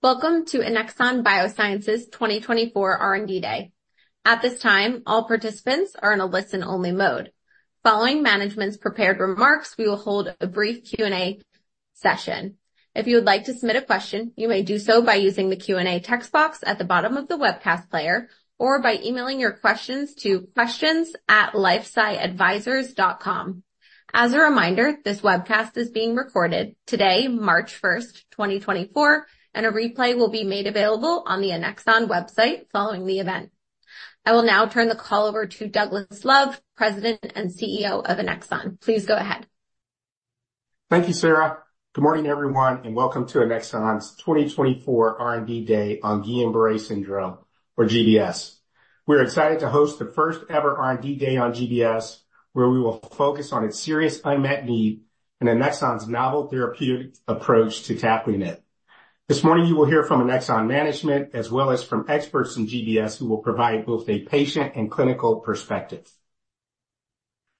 Welcome to Annexon Biosciences 2024 R&D Day. At this time, all participants are in a listen-only mode. Following management's prepared remarks, we will hold a brief Q&A session. If you would like to submit a question, you may do so by using the Q&A text box at the bottom of the webcast player or by emailing your questions to questions@lifesciadvisors.com. As a reminder, this webcast is being recorded today, March 1, 2024, and a replay will be made available on the Annexon website following the event. I will now turn the call over to Douglas Love, President and CEO of Annexon. Please go ahead. Thank you, Sarah. Good morning, everyone, and welcome to Annexon's 2024 R&D Day on Guillain-Barré Syndrome, or GBS. We are excited to host the first-ever R&D Day on GBS, where we will focus on its serious unmet need and Annexon's novel therapeutic approach to tackling it. This morning, you will hear from Annexon management as well as from experts in GBS who will provide both a patient and clinical perspective.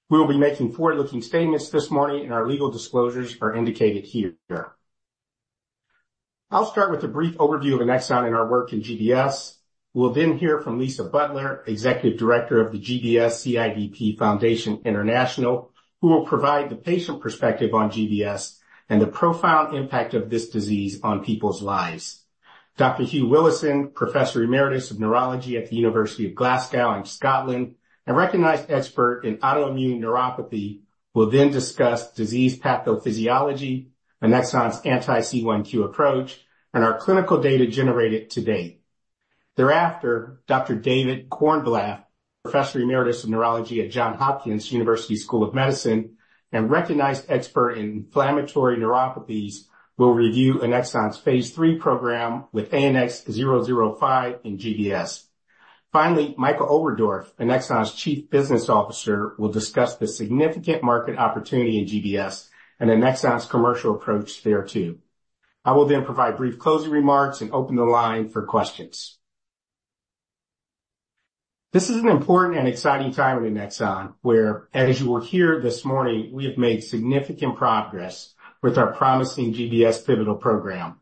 We will be making forward-looking statements this morning, and our legal disclosures are indicated here. I'll start with a brief overview of Annexon and our work in GBS. We'll then hear from Lisa Butler, Executive Director of the GBS/CIDP Foundation International, who will provide the patient perspective on GBS and the profound impact of this disease on people's lives. Dr. Hugh Willison, Professor Emeritus of Neurology at the University of Glasgow in Scotland and recognized expert in autoimmune neuropathy, will then discuss disease pathophysiology, Annexon's anti-C1q approach, and our clinical data generated to date. Thereafter, Dr. David Cornblath, Professor Emeritus of Neurology at Johns Hopkins University School of Medicine and recognized expert in inflammatory neuropathies, will review Annexon's phase III program with ANX005 in GBS. Finally, Michael Overdorf, Annexon's Chief Business Officer, will discuss the significant market opportunity in GBS and Annexon's commercial approach there too. I will then provide brief closing remarks and open the line for questions. This is an important and exciting time in Annexon where, as you will hear this morning, we have made significant progress with our promising GBS pivotal program.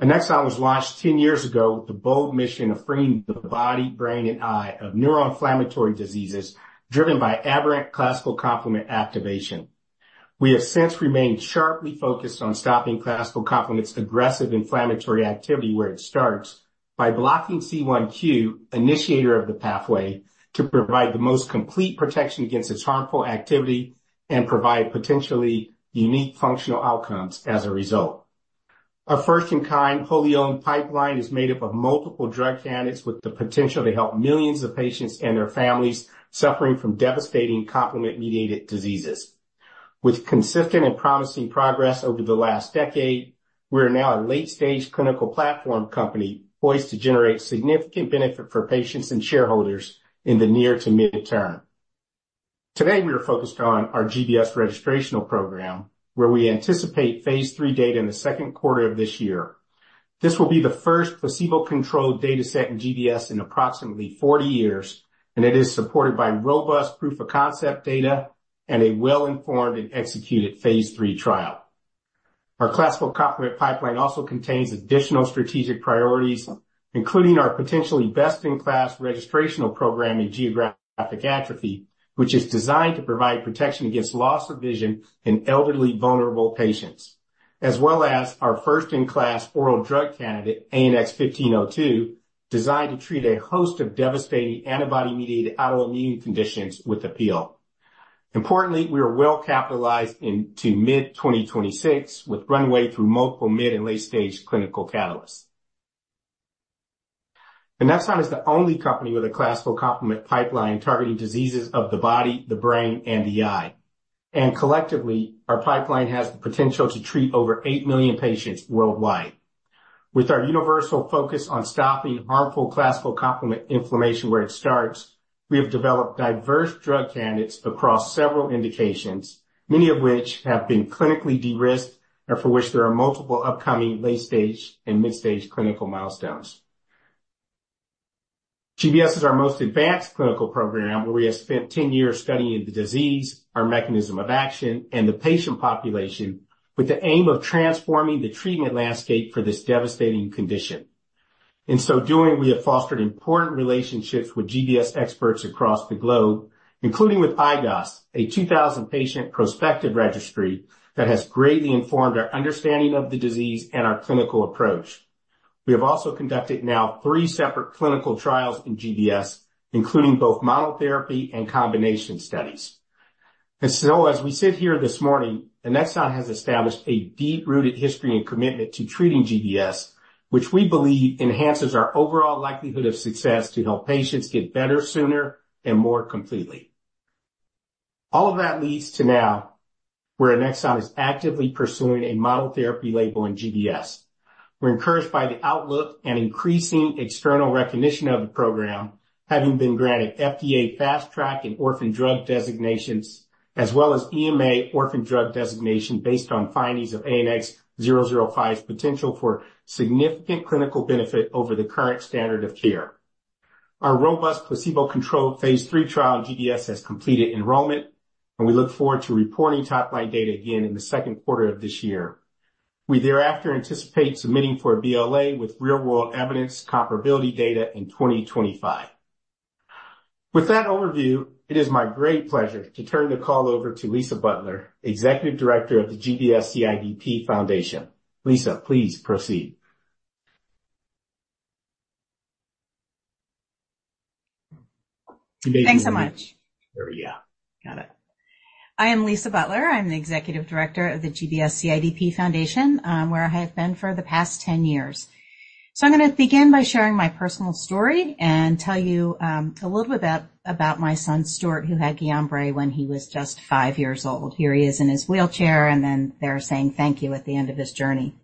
Annexon was launched 10 years ago with the bold mission of freeing the body, brain, and eye of neuroinflammatory diseases driven by aberrant classical complement activation. We have since remained sharply focused on stopping classical complement's aggressive inflammatory activity where it starts by blocking C1q, initiator of the pathway, to provide the most complete protection against its harmful activity and provide potentially unique functional outcomes as a result. Our first-in-kind wholly-owned pipeline is made up of multiple drug candidates with the potential to help millions of patients and their families suffering from devastating complement-mediated diseases. With consistent and promising progress over the last decade, we are now a late-stage clinical platform company poised to generate significant benefit for patients and shareholders in the near to mid-term. Today, we are focused on our GBS registrational program, where we anticipate phase III data in the second quarter of this year. This will be the first placebo-controlled dataset in GBS in approximately 40 years, and it is supported by robust proof-of-concept data and a well-informed and executed phase III trial. Our classical complement pipeline also contains additional strategic priorities, including our potentially best-in-class registrational program in geographic atrophy, which is designed to provide protection against loss of vision in elderly vulnerable patients, as well as our first-in-class oral drug candidate, ANX1502, designed to treat a host of devastating antibody-mediated autoimmune conditions with a pill. Importantly, we are well capitalized into mid-2026 with runway through multiple mid and late-stage clinical catalysts. Annexon is the only company with a classical complement pipeline targeting diseases of the body, the brain, and the eye. Collectively, our pipeline has the potential to treat over eight million patients worldwide. With our universal focus on stopping harmful classical complement inflammation where it starts, we have developed diverse drug candidates across several indications, many of which have been clinically de-risked and for which there are multiple upcoming late-stage and mid-stage clinical milestones. GBS is our most advanced clinical program, where we have spent 10 years studying the disease, our mechanism of action, and the patient population with the aim of transforming the treatment landscape for this devastating condition. In so doing, we have fostered important relationships with GBS experts across the globe, including with IGOS, a 2,000-patient prospective registry that has greatly informed our understanding of the disease and our clinical approach. We have also conducted now 3 separate clinical trials in GBS, including both monotherapy and combination studies. And so, as we sit here this morning, Annexon has established a deep-rooted history and commitment to treating GBS, which we believe enhances our overall likelihood of success to help patients get better sooner and more completely. All of that leads to now where Annexon is actively pursuing a monotherapy label in GBS. We're encouraged by the outlook and increasing external recognition of the program, having been granted FDA Fast Track and Orphan Drug Designations as well as EMA Orphan Drug Designation based on findings of ANX005's potential for significant clinical benefit over the current standard of care. Our robust placebo-controlled phase III trial in GBS has completed enrollment, and we look forward to reporting top-line data again in the second quarter of this year. We thereafter anticipate submitting for a BLA with real-world evidence comparability data in 2025. With that overview, it is my great pleasure to turn the call over to Lisa Butler, Executive Director of the GBS CIDP Foundation. Lisa, please proceed. Thanks so much. There we go. Got it. I am Lisa Butler. I'm the Executive Director of the GBS CIDP Foundation, where I have been for the past 10 years. So I'm going to begin by sharing my personal story and tell you a little bit about my son Stuart, who had Guillain-Barré when he was just 5 years old. Here he is in his wheelchair, and then they're saying thank you at the end of his journey.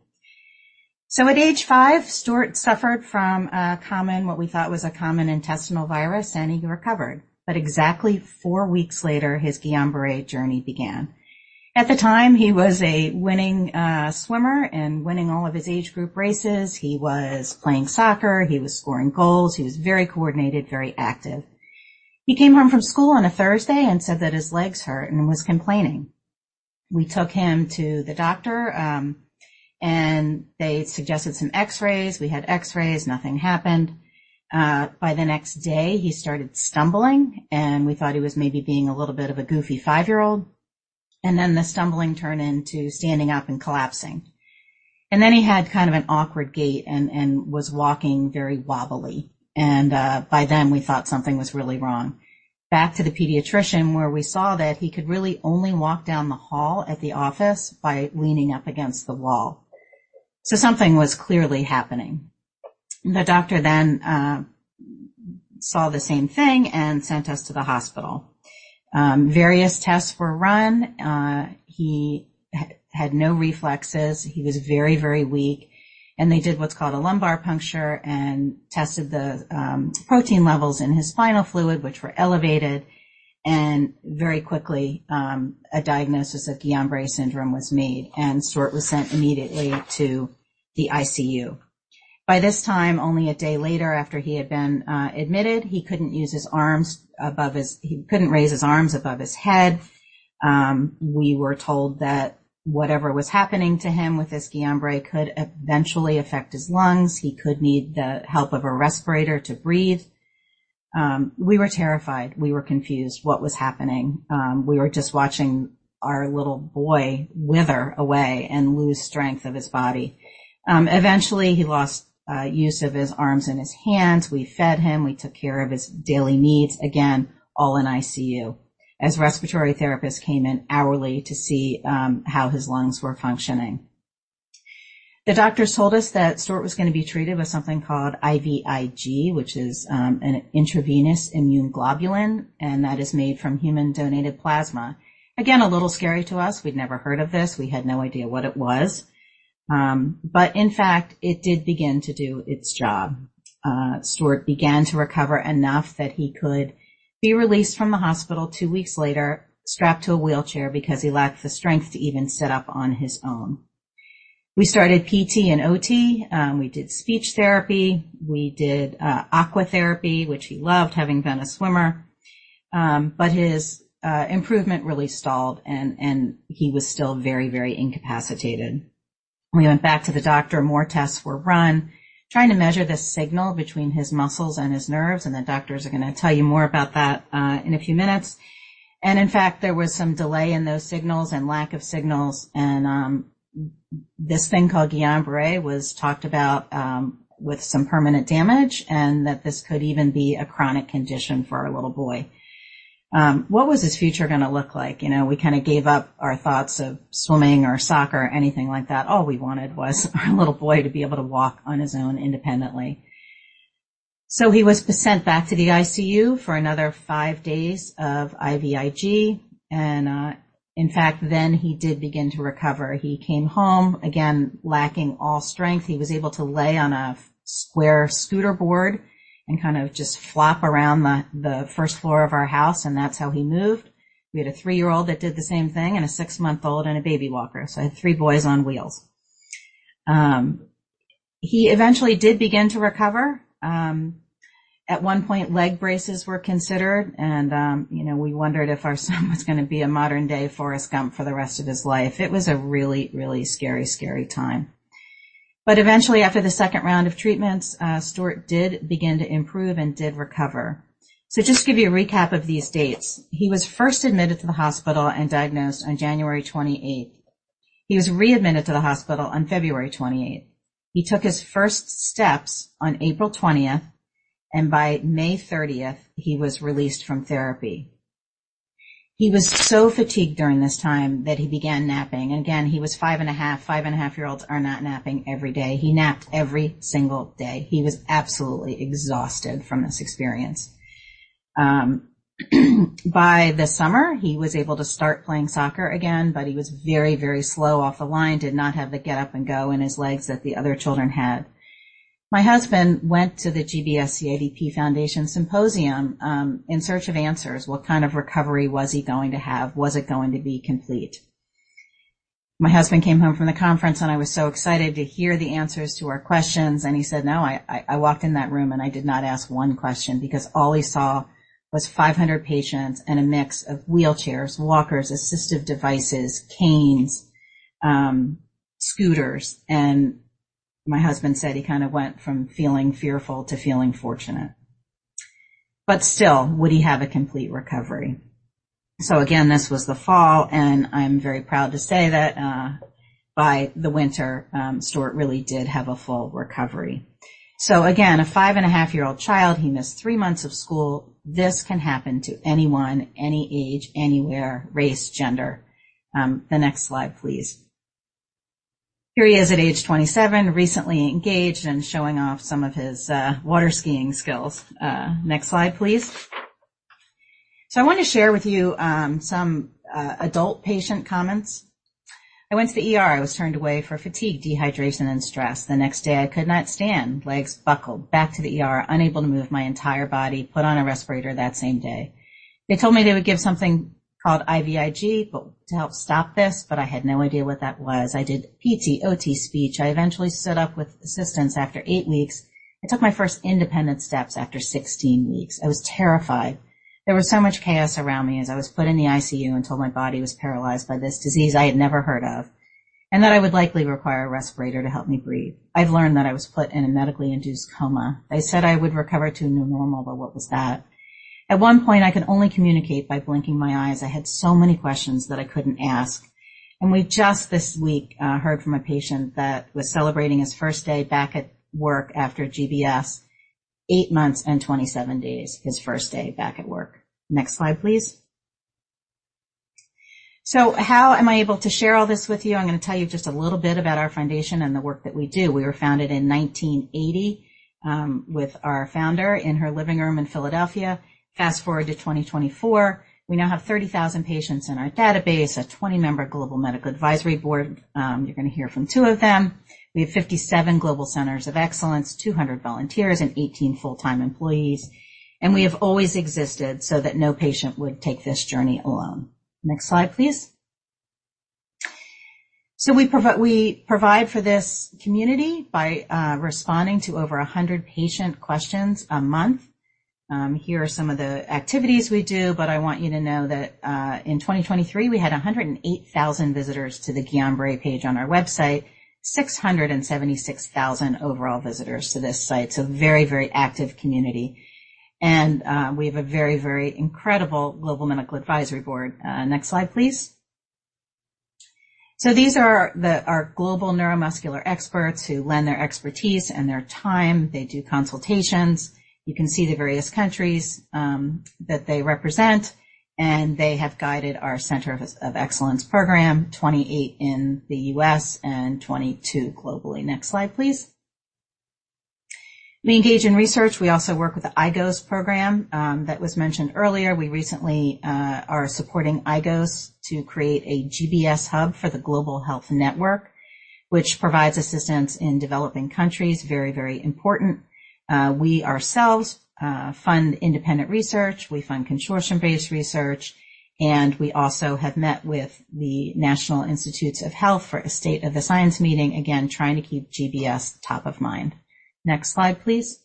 So at age 5, Stuart suffered from a common, what we thought was a common intestinal virus, and he recovered. But exactly 4 weeks later, his Guillain-Barré journey began. At the time, he was a winning swimmer and winning all of his age group races. He was playing soccer. He was scoring goals. He was very coordinated, very active. He came home from school on a Thursday and said that his legs hurt and was complaining. We took him to the doctor, and they suggested some X-rays. We had X-rays. Nothing happened. By the next day, he started stumbling, and we thought he was maybe being a little bit of a goofy 5-year-old. Then the stumbling turned into standing up and collapsing. Then he had kind of an awkward gait and was walking very wobbly. By then, we thought something was really wrong. Back to the pediatrician, where we saw that he could really only walk down the hall at the office by leaning up against the wall. Something was clearly happening. The doctor then saw the same thing and sent us to the hospital. Various tests were run. He had no reflexes. He was very, very weak. They did what's called a lumbar puncture and tested the protein levels in his spinal fluid, which were elevated. Very quickly, a diagnosis of Guillain-Barré syndrome was made, and Stuart was sent immediately to the ICU. By this time, only a day later after he had been admitted, he couldn't raise his arms above his head. We were told that whatever was happening to him with this Guillain-Barré could eventually affect his lungs. He could need the help of a respirator to breathe. We were terrified. We were confused. What was happening? We were just watching our little boy wither away and lose strength of his body. Eventually, he lost use of his arms and his hands. We fed him. We took care of his daily needs. Again, all in ICU. As respiratory therapists came in hourly to see how his lungs were functioning. The doctors told us that Stuart was going to be treated with something called IVIG, which is an intravenous immune globulin, and that is made from human-donated plasma. Again, a little scary to us. We'd never heard of this. We had no idea what it was. But in fact, it did begin to do its job. Stuart began to recover enough that he could be released from the hospital two weeks later, strapped to a wheelchair because he lacked the strength to even sit up on his own. We started PT and OT. We did speech therapy. We did aquatherapy, which he loved, having been a swimmer. But his improvement really stalled, and he was still very, very incapacitated. We went back to the doctor. More tests were run trying to measure the signal between his muscles and his nerves, and the doctors are going to tell you more about that in a few minutes. In fact, there was some delay in those signals and lack of signals. This thing called Guillain-Barré was talked about with some permanent damage and that this could even be a chronic condition for our little boy. What was his future going to look like? We kind of gave up our thoughts of swimming or soccer or anything like that. All we wanted was our little boy to be able to walk on his own independently. He was sent back to the ICU for another five days of IVIG. In fact, then he did begin to recover. He came home, again, lacking all strength. He was able to lay on a square scooterboard and kind of just flop around the first floor of our house, and that's how he moved. We had a three-year-old that did the same thing and a six-month-old and a baby walker. So I had three boys on wheels. He eventually did begin to recover. At one point, leg braces were considered, and we wondered if our son was going to be a modern-day Forrest Gump for the rest of his life. It was a really, really scary, scary time. But eventually, after the second round of treatments, Stuart did begin to improve and did recover. So just to give you a recap of these dates, he was first admitted to the hospital and diagnosed on January 28th. He was readmitted to the hospital on February 28th. He took his first steps on April 20th, and by May 30th, he was released from therapy. He was so fatigued during this time that he began napping. Again, he was five and a half. Five and a half-year-olds are not napping every day. He napped every single day. He was absolutely exhausted from this experience. By the summer, he was able to start playing soccer again, but he was very, very slow off the line, did not have the get-up-and-go in his legs that the other children had. My husband went to the GBS CIDP Foundation Symposium in search of answers. What kind of recovery was he going to have? Was it going to be complete? My husband came home from the conference, and I was so excited to hear the answers to our questions. He said, "No." I walked in that room, and I did not ask 1 question because all he saw was 500 patients and a mix of wheelchairs, walkers, assistive devices, canes, scooters. My husband said he kind of went from feeling fearful to feeling fortunate. But still, would he have a complete recovery? This was the fall, and I'm very proud to say that by the winter, Stuart really did have a full recovery. A 5.5-year-old child. He missed 3 months of school. This can happen to anyone, any age, anywhere, race, gender. The next slide, please. Here he is at age 27, recently engaged and showing off some of his water skiing skills. Next slide, please. I want to share with you some adult patient comments. "I went to the I was turned away for fatigue, dehydration, and stress. The next day, I could not stand. Legs buckled. Back to the unable to move my entire body. Put on a respirator that same day. They told me they would give something called IVIG to help stop this, but I had no idea what that was. I did PT, OT, speech. I eventually stood up with assistance after 8 weeks. I took my first independent steps after 16 weeks. I was terrified. There was so much chaos around me as I was put in the ICU and told my body was paralyzed by this disease I had never heard of and that I would likely require a respirator to help me breathe. I've learned that I was put in a medically induced coma. They said I would recover to new normal, but what was that? At one point, I could only communicate by blinking my eyes. I had so many questions that I couldn't ask." We just this week heard from a patient that was celebrating his first day back at work after GBS, 8 months and 27 days, his first day back at work. Next slide, please. How am I able to share all this with you? I'm going to tell you just a little bit about our foundation and the work that we do. We were founded in 1980 with our founder in her living room in Philadelphia. Fast forward to 2024. We now have 30,000 patients in our database, a 20-member global medical advisory board. You're going to hear from two of them. We have 57 global Centers of Excellence, 200 volunteers, and 18 full-time employees. We have always existed so that no patient would take this journey alone. Next slide, please. So we provide for this community by responding to over 100 patient questions a month. Here are some of the activities we do, but I want you to know that in 2023, we had 108,000 visitors to the Guillain-Barré page on our website, 676,000 overall visitors to this site. It's a very, very active community. And we have a very, very incredible global medical advisory board. Next slide, please. So these are our global neuromuscular experts who lend their expertise and their time. They do consultations. You can see the various countries that they represent, and they have guided our Center of Excellence program, 28 in the U.S. and 22 globally. Next slide, please. We engage in research. We also work with the IGOS program that was mentioned earlier. We recently are supporting IGOS to create a GBS hub for the Global Health Network, which provides assistance in developing countries. Very, very important. We ourselves fund independent research. We fund consortium-based research. We also have met with the National Institutes of Health for a State of the Science meeting, again, trying to keep GBS top of mind. Next slide, please.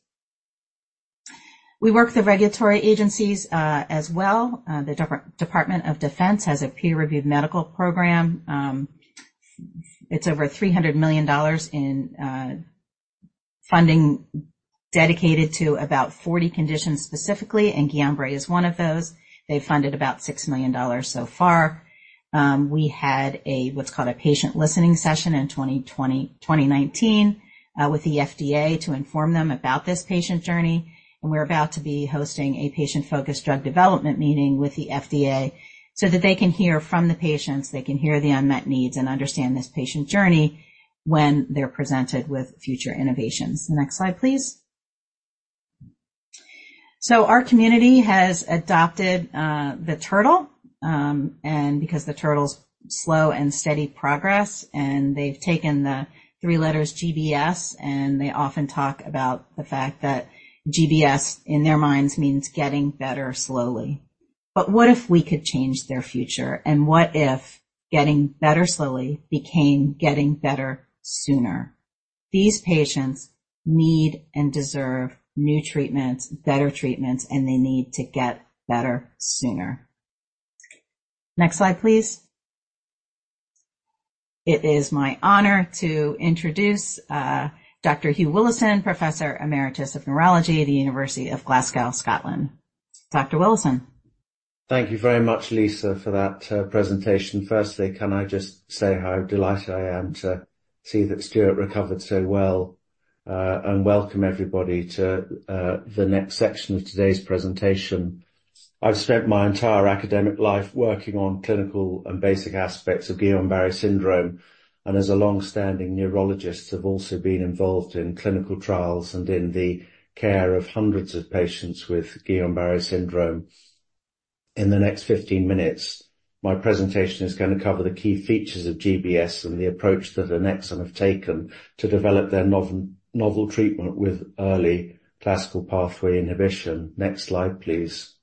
We work with the regulatory agencies as well. The Department of Defense has a peer-reviewed medical program. It's over $300 million in funding dedicated to about 40 conditions specifically, and Guillain-Barré is one of those. They've funded about $6 million so far. We had what's called a patient listening session in 2019 with the FDA to inform them about this patient journey. We're about to be hosting a patient-focused drug development meeting with the FDA so that they can hear from the patients. They can hear the unmet needs and understand this patient journey when they're presented with future innovations. The next slide, please. So our community has adopted the turtle. And because the turtle's slow and steady progress, and they've taken the three letters GBS, and they often talk about the fact that GBS, in their minds, means getting better slowly. But what if we could change their future? And what if getting better slowly became getting better sooner? These patients need and deserve new treatments, better treatments, and they need to get better sooner. Next slide, please. It is my honor to introduce Dr. Hugh Willison, Professor Emeritus of Neurology at the University of Glasgow, Scotland. Dr. Willison. Thank you very much, Lisa, for that presentation. First, can I just say how delighted I am to see that Stuart recovered so well and welcome everybody to the next section of today's presentation. I've spent my entire academic life working on clinical and basic aspects of Guillain-Barré syndrome, and as a longstanding neurologist, have also been involved in clinical trials and in the care of hundreds of patients with Guillain-Barré syndrome. In the next 15 minutes, my presentation is going to cover the key features of GBS and the approach that Annexon have taken to develop their novel treatment with early classical pathway inhibition. Next slide, please.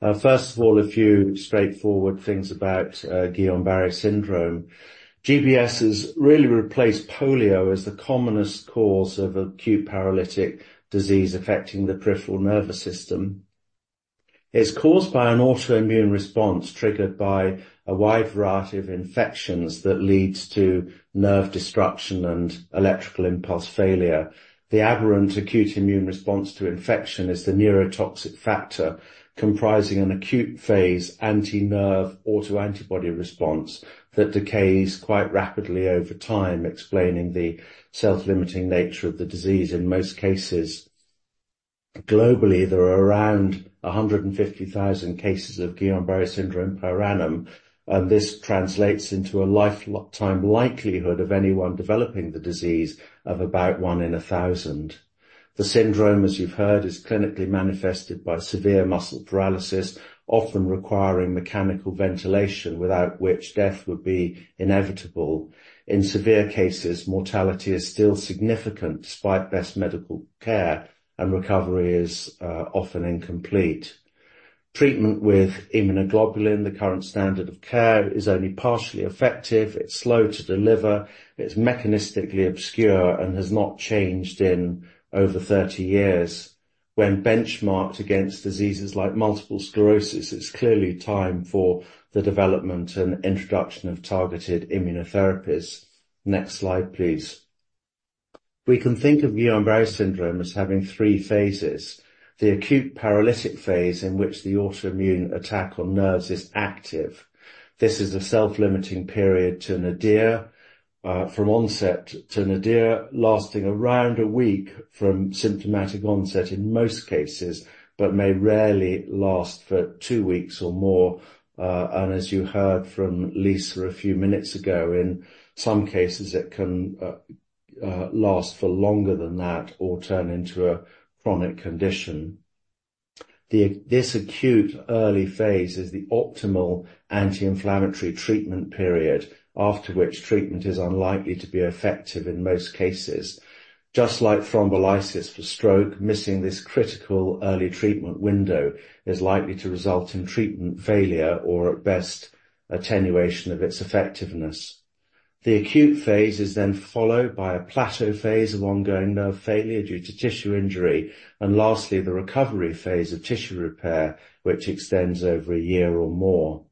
First of all, a few straightforward things about Guillain-Barré syndrome. GBS has really replaced polio as the commonest cause of acute paralytic disease affecting the peripheral nervous system. It's caused by an autoimmune response triggered by a wide variety of infections that leads to nerve destruction and electrical impulse failure. The aberrant acute immune response to infection is the neurotoxic factor comprising an acute phase anti-nerve autoantibody response that decays quite rapidly over time, explaining the self-limiting nature of the disease in most cases. Globally, there are around 150,000 cases of Guillain-Barré syndrome per annum, and this translates into a lifetime likelihood of anyone developing the disease of about 1 in 1,000. The syndrome, as you've heard, is clinically manifested by severe muscle paralysis, often requiring mechanical ventilation without which death would be inevitable. In severe cases, mortality is still significant despite best medical care, and recovery is often incomplete. Treatment with immunoglobulin, the current standard of care, is only partially effective. It's slow to deliver. It's mechanistically obscure and has not changed in over 30 years. When benchmarked against diseases like multiple sclerosis, it's clearly time for the development and introduction of targeted immunotherapies. Next slide, please. We can think of Guillain-Barré syndrome as having three phases: the acute paralytic phase in which the autoimmune attack on nerves is active. This is a self-limiting period from onset to nadir, lasting around a week from symptomatic onset in most cases but may rarely last for two weeks or more. As you heard from Lisa a few minutes ago, in some cases, it can last for longer than that or turn into a chronic condition. This acute early phase is the optimal anti-inflammatory treatment period, after which treatment is unlikely to be effective in most cases. Just like thrombolysis for stroke, missing this critical early treatment window is likely to result in treatment failure or, at best, attenuation of its effectiveness. The acute phase is then followed by a plateau phase of ongoing nerve failure due to tissue injury and, lastly, the recovery phase of tissue repair, which extends over a year or more.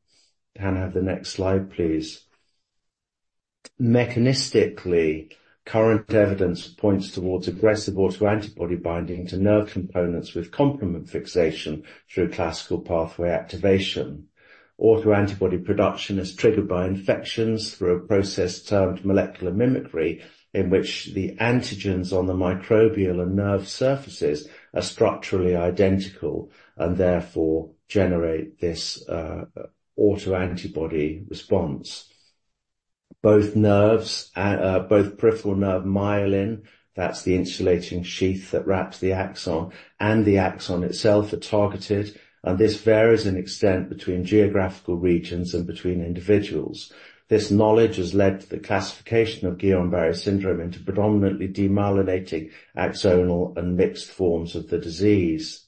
Hannah, have the next slide, please. Mechanistically, current evidence points towards aggressive autoantibody binding to nerve components with complement fixation through classical pathway activation. Autoantibody production is triggered by infections through a process termed molecular mimicry in which the antigens on the microbial and nerve surfaces are structurally identical and therefore generate this autoantibody response. Both peripheral nerve myelin, that's the insulating sheath that wraps the axon, and the axon itself are targeted, and this varies in extent between geographical regions and between individuals. This knowledge has led to the classification of Guillain-Barré syndrome into predominantly demyelinating axonal and mixed forms of the disease.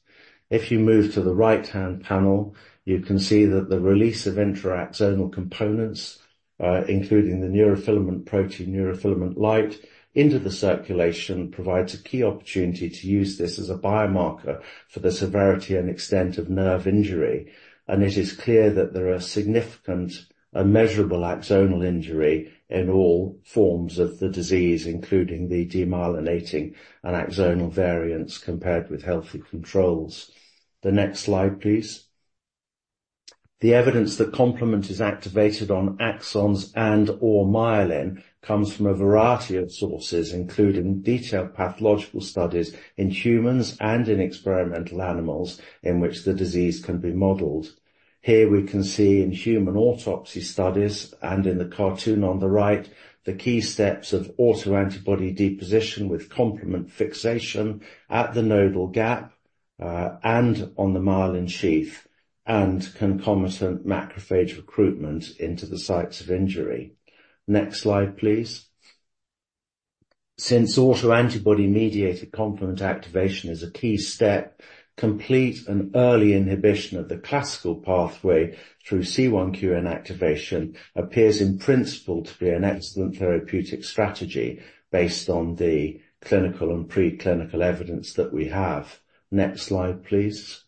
If you move to the right-hand panel, you can see that the release of intra-axonal components, including the neurofilament protein, Neurofilament Light, into the circulation provides a key opportunity to use this as a biomarker for the severity and extent of nerve injury. It is clear that there are significant and measurable axonal injury in all forms of the disease, including the demyelinating and axonal variants compared with healthy controls. The next slide, please. The evidence that complement is activated on axons and/or myelin comes from a variety of sources, including detailed pathological studies in humans and in experimental animals in which the disease can be modelled. Here, we can see in human autopsy studies and in the cartoon on the right, the key steps of autoantibody deposition with complement fixation at the nodal gap and on the myelin sheath and concomitant macrophage recruitment into the sites of injury. Next slide, please. Since autoantibody-mediated complement activation is a key step, complete and early inhibition of the classical pathway through C1q activation appears in principle to be an excellent therapeutic strategy based on the clinical and preclinical evidence that we have. Next slide, please.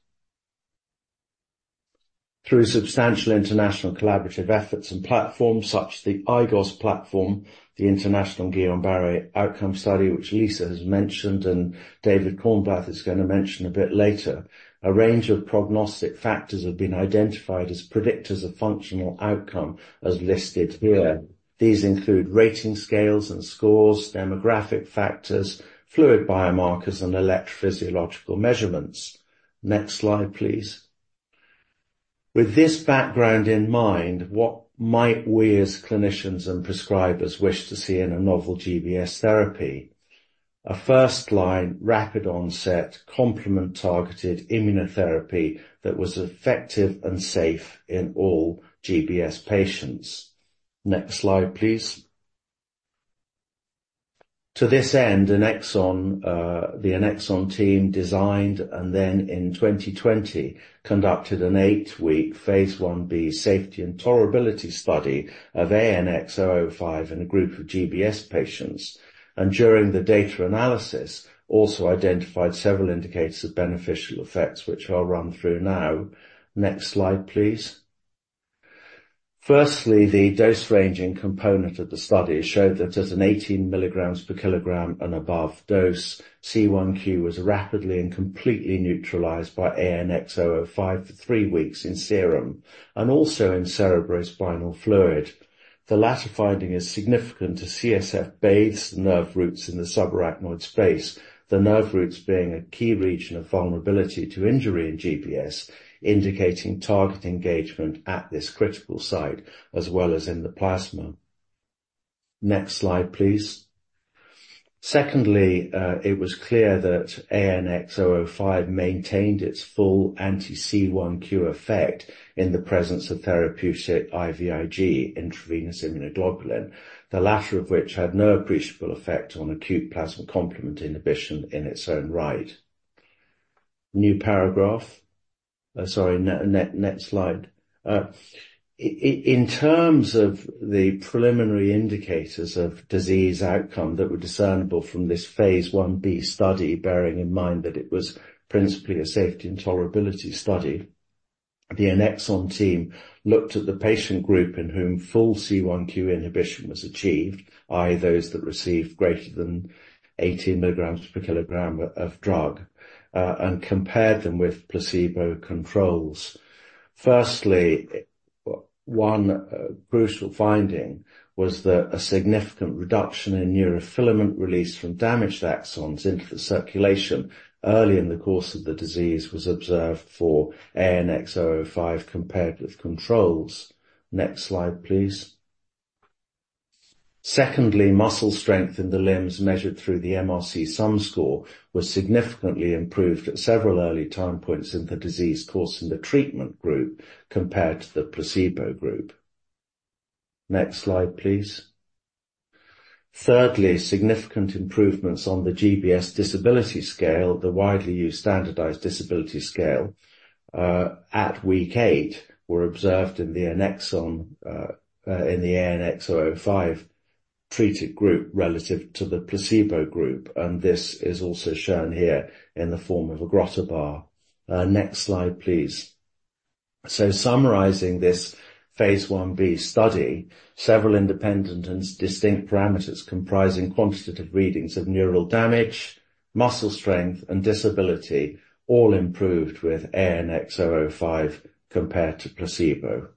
Through substantial international collaborative efforts and platforms such as the IGOS platform, the International Guillain-Barré Outcome Study, which Lisa has mentioned and David Cornblath is going to mention a bit later, a range of prognostic factors have been identified as predictors of functional outcome as listed here. These include rating scales and scores, demographic factors, fluid biomarkers, and electrophysiological measurements. Next slide, please. With this background in mind, what might we, as clinicians and prescribers, wish to see in a novel GBS therapy? A first-line, rapid-onset, complement-targeted immunotherapy that was effective and safe in all GBS patients. Next slide, please. To this end, the Annexon team designed and then, in 2020, conducted an 8-week phase I-B safety and tolerability study of ANX005 in a group of GBS patients. During the data analysis, also identified several indicators of beneficial effects, which I'll run through now. Next slide, please. First, the dose-ranging component of the study showed that at an 18 mg/kg and above dose, C1q was rapidly and completely neutralized by ANX005 for 3 weeks in serum and also in cerebrospinal fluid. The latter finding is significant to CSF-bathed nerve roots in the subarachnoid space, the nerve roots being a key region of vulnerability to injury in GBS, indicating target engagement at this critical site as well as in the plasma. Next slide, please. Secondly, it was clear that ANX005 maintained its full anti-C1q effect in the presence of therapeutic IVIG, intravenous immunoglobulin, the latter of which had no appreciable effect on acute plasma complement inhibition in its own right. Sorry, next slide. In terms of the preliminary indicators of disease outcome that were discernible from this phase I-B study, bearing in mind that it was principally a safety and tolerability study, the Annexon team looked at the patient group in whom full C1q inhibition was achieved, i.e., those that received greater than 18 milligrams per kilogram of drug, and compared them with placebo controls. Firstly, one crucial finding was that a significant reduction in neurofilament release from damaged axons into the circulation early in the course of the disease was observed for ANX005 compared with controls. Next slide, please. Secondly, muscle strength in the limbs measured through the MRC Sum Score was significantly improved at several early time points in the disease course in the treatment group compared to the placebo group. Next slide, please. Thirdly, significant improvements on the GBS Disability Scale, the widely used standardized disability scale, at week 8 were observed in the ANX005 treated group relative to the placebo group, and this is also shown here in the form of a bar graph. Next slide, please. So summarizing this phase I-B study, several independent and distinct parameters comprising quantitative readings of neural damage, muscle strength, and disability all improved with ANX005 compared to placebo.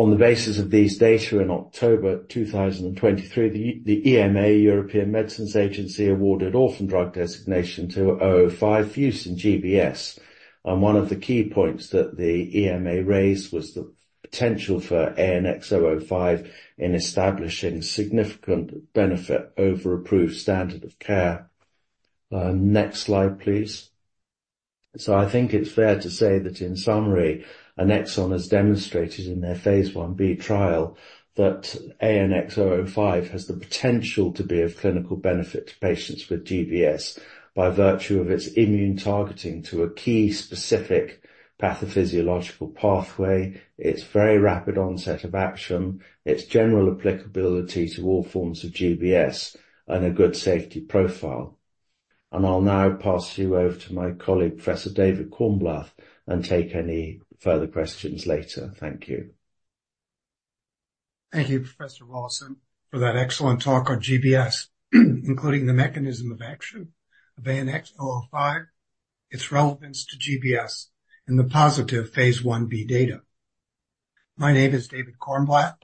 On the basis of these data in October 2023, the EMA, European Medicines Agency, awarded orphan drug designation to 005 use in GBS. One of the key points that the EMA raised was the potential for ANX005 in establishing significant benefit over approved standard of care. Next slide, please. I think it's fair to say that, in summary, Annexon has demonstrated in their phase I-B trial that ANX005 has the potential to be of clinical benefit to patients with GBS by virtue of its immune targeting to a key specific pathophysiological pathway, its very rapid onset of action, its general applicability to all forms of GBS, and a good safety profile. I'll now pass you over to my colleague, Professor David Cornblath, and take any further questions later. Thank you. Thank you, Professor Willison, for that excellent talk on GBS, including the mechanism of action of ANX005, its relevance to GBS, and the positive phase I-B data. My name is David Cornblath.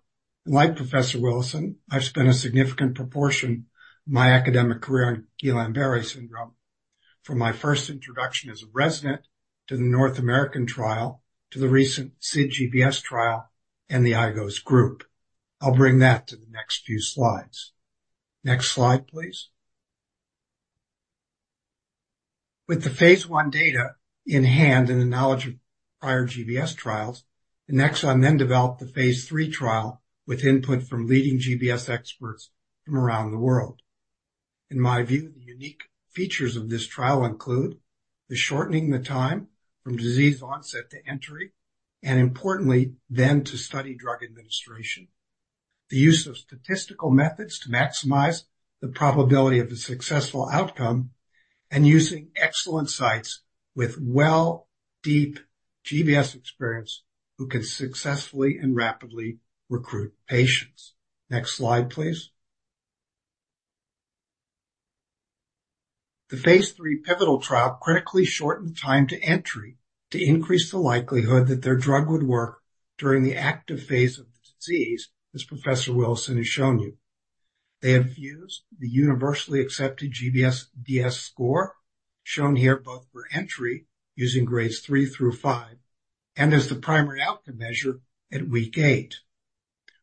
Like Professor Willison, I've spent a significant proportion of my academic career on Guillain-Barré syndrome from my first introduction as a resident to the North American trial to the recent SID-GBS trial and the IGOS group. I'll bring that to the next few slides. Next slide, please. With the phase I data in hand and the knowledge of prior GBS trials, Annexon then developed the phase III trial with input from leading GBS experts from around the world. In my view, the unique features of this trial include the shortening of the time from disease onset to entry, and importantly, then to study drug administration, the use of statistical methods to maximize the probability of a successful outcome, and using excellent sites with well, deep GBS experience who can successfully and rapidly recruit patients. Next slide, please. The phase III pivotal trial critically shortened the time to entry to increase the likelihood that their drug would work during the active phase of the disease, as Professor Willison has shown you. They have used the universally accepted GBS-DS score, shown here both for entry using grades 3 through 5, and as the primary outcome measure at week 8.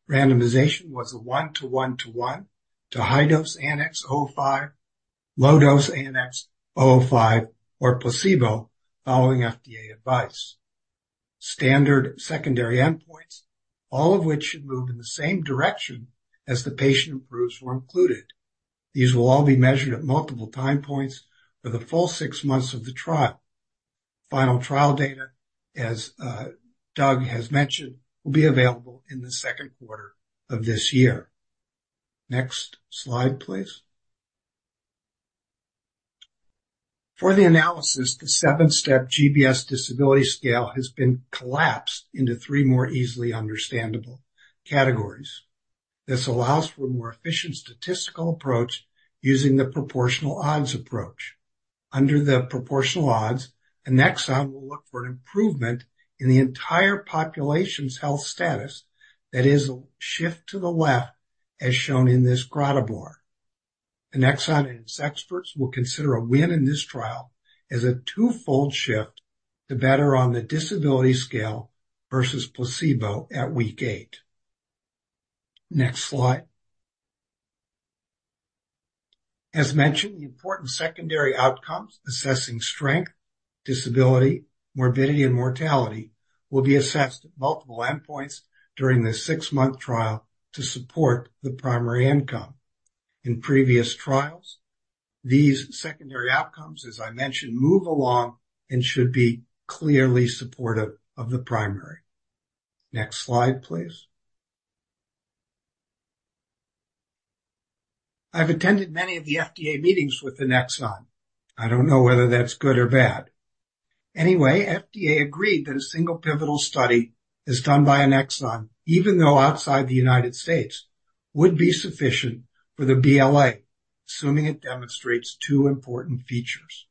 Randomisation was a 1 to 1 to 1 to high-dose ANX005, low-dose ANX005, or placebo following FDA advice. Standard secondary endpoints, all of which should move in the same direction as the patient improves, were included. These will all be measured at multiple time points for the full six months of the trial. Final trial data, as Doug has mentioned, will be available in the second quarter of this year. Next slide, please. For the analysis, the seven-step GBS disability scale has been collapsed into three more easily understandable categories. This allows for a more efficient statistical approach using the proportional odds approach. Under the proportional odds, Annexon will look for an improvement in the entire population's health status, that is, a shift to the left, as shown in this grouped bar. Annexon and its experts will consider a win in this trial as a twofold shift to better on the disability scale versus placebo at week 8. Next slide. As mentioned, the important secondary outcomes, assessing strength, disability, morbidity, and mortality, will be assessed at multiple endpoints during the six-month trial to support the primary endpoint. In previous trials, these secondary outcomes, as I mentioned, move along and should be clearly supportive of the primary. Next slide, please. I've attended many of the FDA meetings with Annexon. I don't know whether that's good or bad. Anyway, FDA agreed that a single pivotal study that's done by Annexon, even though outside the United States, would be sufficient for the BLA, assuming it demonstrates two important features.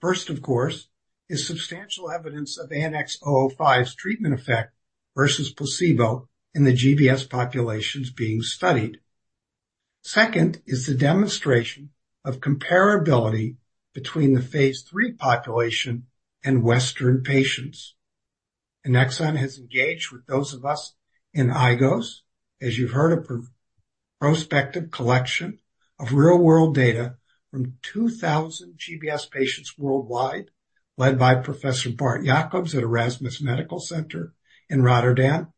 First, of course, is substantial evidence of ANX005's treatment effect versus placebo in the GBS populations being studied. Second is the demonstration of comparability between the phase III population and Western patients. Annexon has engaged with those of us in IGOS, as you've heard, a prospective collection of real-world data from 2,000 GBS patients worldwide, led by Professor Bart Jacobs at Erasmus Medical Center in Rotterdam,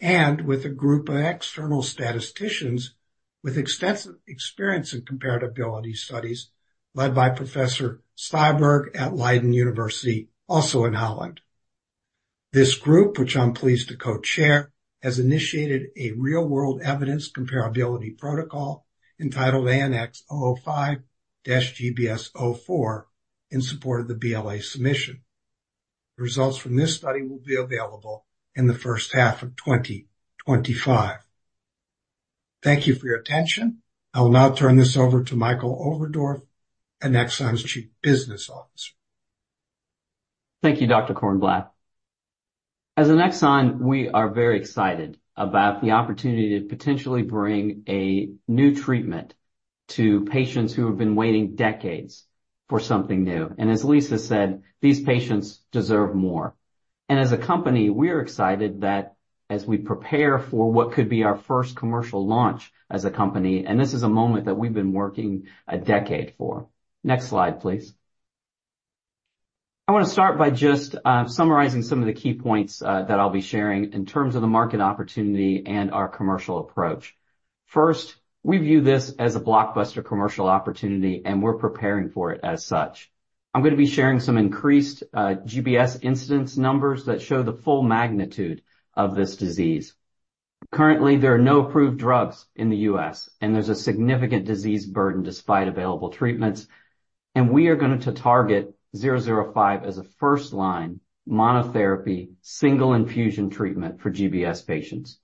and with a group of external statisticians with extensive experience in comparability studies led by Professor Steyerberg at Leiden University, also in Holland. This group, which I'm pleased to co-chair, has initiated a real-world evidence comparability protocol entitled ANX005-GBS-04 in support of the BLA submission. The results from this study will be available in the first half of 2025. Thank you for your attention. I'll now turn this over to Michael Overdorf, Annexon's Chief Business Officer. Thank you, Dr. Cornblath. As Annexon, we are very excited about the opportunity to potentially bring a new treatment to patients who have been waiting decades for something new. And as Lisa said, these patients deserve more. And as a company, we are excited that as we prepare for what could be our first commercial launch as a company, and this is a moment that we've been working a decade for. Next slide, please. I want to start by just summarizing some of the key points that I'll be sharing in terms of the market opportunity and our commercial approach. First, we view this as a blockbuster commercial opportunity, and we're preparing for it as such. I'm going to be sharing some increased GBS incidence numbers that show the full magnitude of this disease. Currently, there are no approved drugs in the U.S., and there's a significant disease burden despite available treatments. We are going to target 005 as a first-line monotherapy single-infusion treatment for GBS patients.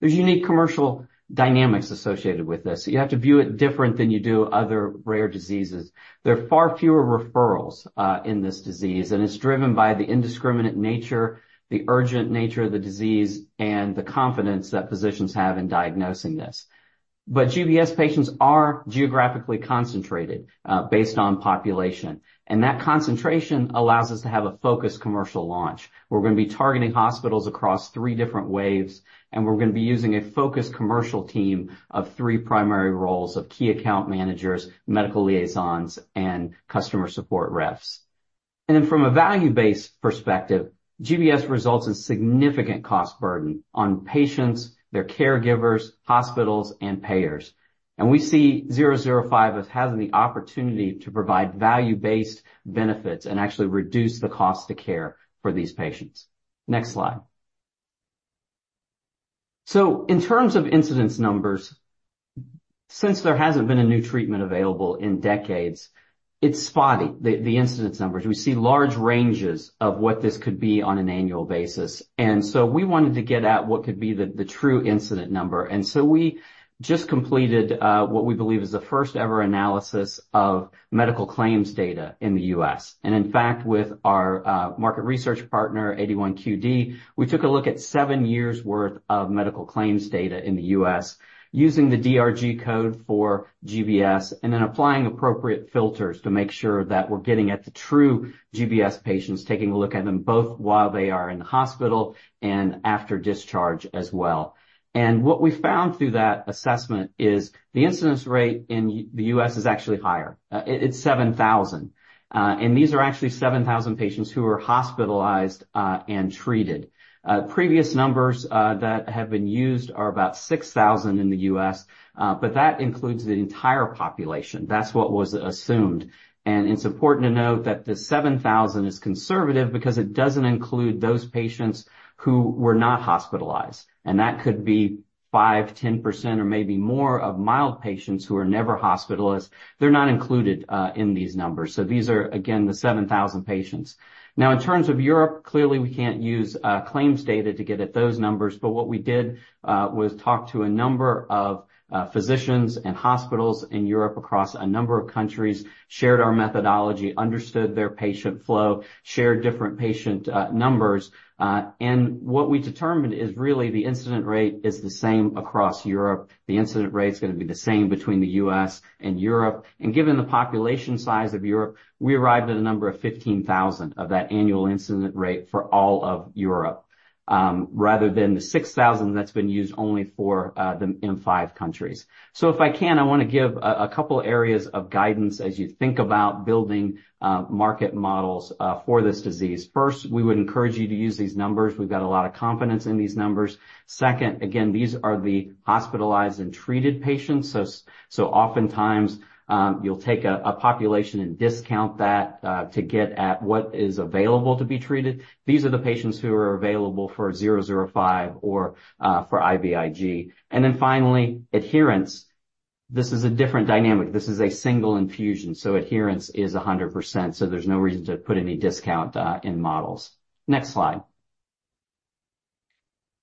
There's unique commercial dynamics associated with this. You have to view it different than you do other rare diseases. There are far fewer referrals in this disease, and it's driven by the indiscriminate nature, the urgent nature of the disease, and the confidence that physicians have in diagnosing this. But GBS patients are geographically concentrated based on population. That concentration allows us to have a focused commercial launch. We're going to be targeting hospitals across 3 different waves, and we're going to be using a focused commercial team of 3 primary roles of key account managers, medical liaisons, and customer support reps. And then from a value-based perspective, GBS results in significant cost burden on patients, their caregivers, hospitals, and payers. And we see 005 as having the opportunity to provide value-based benefits and actually reduce the cost of care for these patients. Next slide. So in terms of incidence numbers, since there hasn't been a new treatment available in decades, it's spotty, the incidence numbers. We see large ranges of what this could be on an annual basis. And so we wanted to get at what could be the true incidence number. And so we just completed what we believe is the first-ever analysis of medical claims data in the U.S. And in fact, with our market research partner, 81QD, we took a look at 7 years' worth of medical claims data in the U.S. using the DRG code for GBS and then applying appropriate filters to make sure that we're getting at the true GBS patients, taking a look at them both while they are in the hospital and after discharge as well. And what we found through that assessment is the incidence rate in the U.S. is actually higher. It's 7,000. And these are actually 7,000 patients who are hospitalized and treated. Previous numbers that have been used are about 6,000 in the U.S., but that includes the entire population. That's what was assumed. And it's important to note that the 7,000 is conservative because it doesn't include those patients who were not hospitalized. That could be 5%-10%, or maybe more, of mild patients who are never hospitalized. They're not included in these numbers. So these are, again, the 7,000 patients. Now, in terms of Europe, clearly, we can't use claims data to get at those numbers, but what we did was talk to a number of physicians and hospitals in Europe across a number of countries, shared our methodology, understood their patient flow, shared different patient numbers. And what we determined is really the incident rate is the same across Europe. The incident rate is going to be the same between the US and Europe. And given the population size of Europe, we arrived at a number of 15,000 of that annual incident rate for all of Europe, rather than the 6,000 that's been used only for the EU5 countries. So if I can, I want to give a couple of areas of guidance as you think about building market models for this disease. First, we would encourage you to use these numbers. We've got a lot of confidence in these numbers. Second, again, these are the hospitalized and treated patients. So oftentimes, you'll take a population and discount that to get at what is available to be treated. These are the patients who are available for 005 or for IVIG. And then finally, adherence. This is a different dynamic. This is a single infusion. So adherence is 100%. So there's no reason to put any discount in models. Next slide.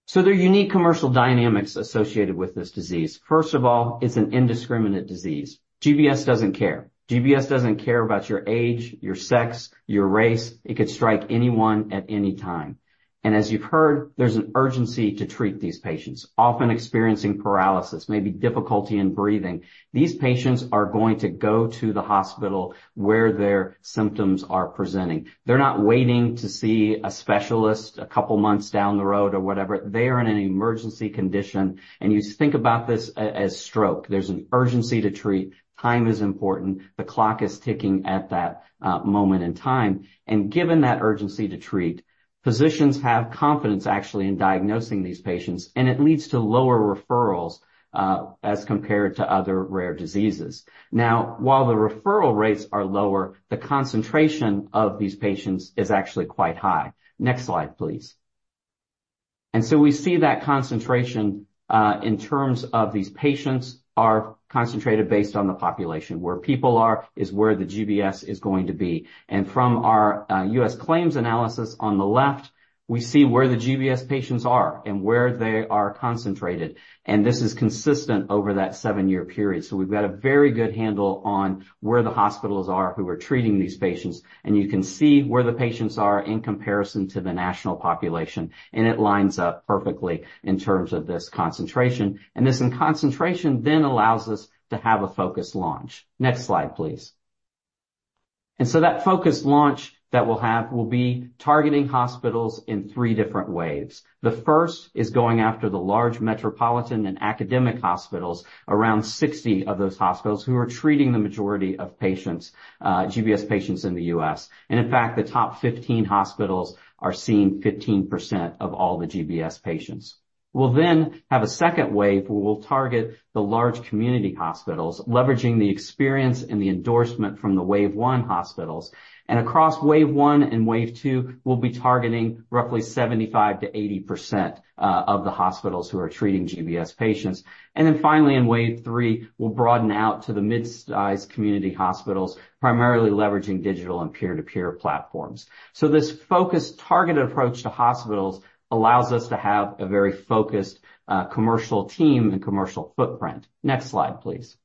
So there are unique commercial dynamics associated with this disease. First of all, it's an indiscriminate disease. GBS doesn't care. GBS doesn't care about your age, your sex, your race. It could strike anyone at any time. As you've heard, there's an urgency to treat these patients, often experiencing paralysis, maybe difficulty in breathing. These patients are going to go to the hospital where their symptoms are presenting. They're not waiting to see a specialist a couple of months down the road or whatever. They are in an emergency condition. And you think about this as stroke. There's an urgency to treat. Time is important. The clock is ticking at that moment in time. And given that urgency to treat, physicians have confidence actually in diagnosing these patients, and it leads to lower referrals as compared to other rare diseases. Now, while the referral rates are lower, the concentration of these patients is actually quite high. Next slide, please. And so we see that concentration in terms of these patients are concentrated based on the population. Where people are is where the GBS is going to be. And from our U.S. claims analysis on the left, we see where the GBS patients are and where they are concentrated. And this is consistent over that 7-year period. So we've got a very good handle on where the hospitals are who are treating these patients. And you can see where the patients are in comparison to the national population. And it lines up perfectly in terms of this concentration. And this concentration then allows us to have a focused launch. Next slide, please. And so that focused launch that we'll have will be targeting hospitals in 3 different waves. The first is going after the large metropolitan and academic hospitals, around 60 of those hospitals who are treating the majority of patients, GBS patients in the U.S. In fact, the top 15 hospitals are seeing 15% of all the GBS patients. We'll then have a second wave where we'll target the large community hospitals, leveraging the experience and the endorsement from the wave one hospitals. Across wave one and wave two, we'll be targeting roughly 75%-80% of the hospitals who are treating GBS patients. Then finally, in wave three, we'll broaden out to the mid-sized community hospitals, primarily leveraging digital and peer-to-peer platforms. So this focused, targeted approach to hospitals allows us to have a very focused commercial team and commercial footprint. Next slide, please.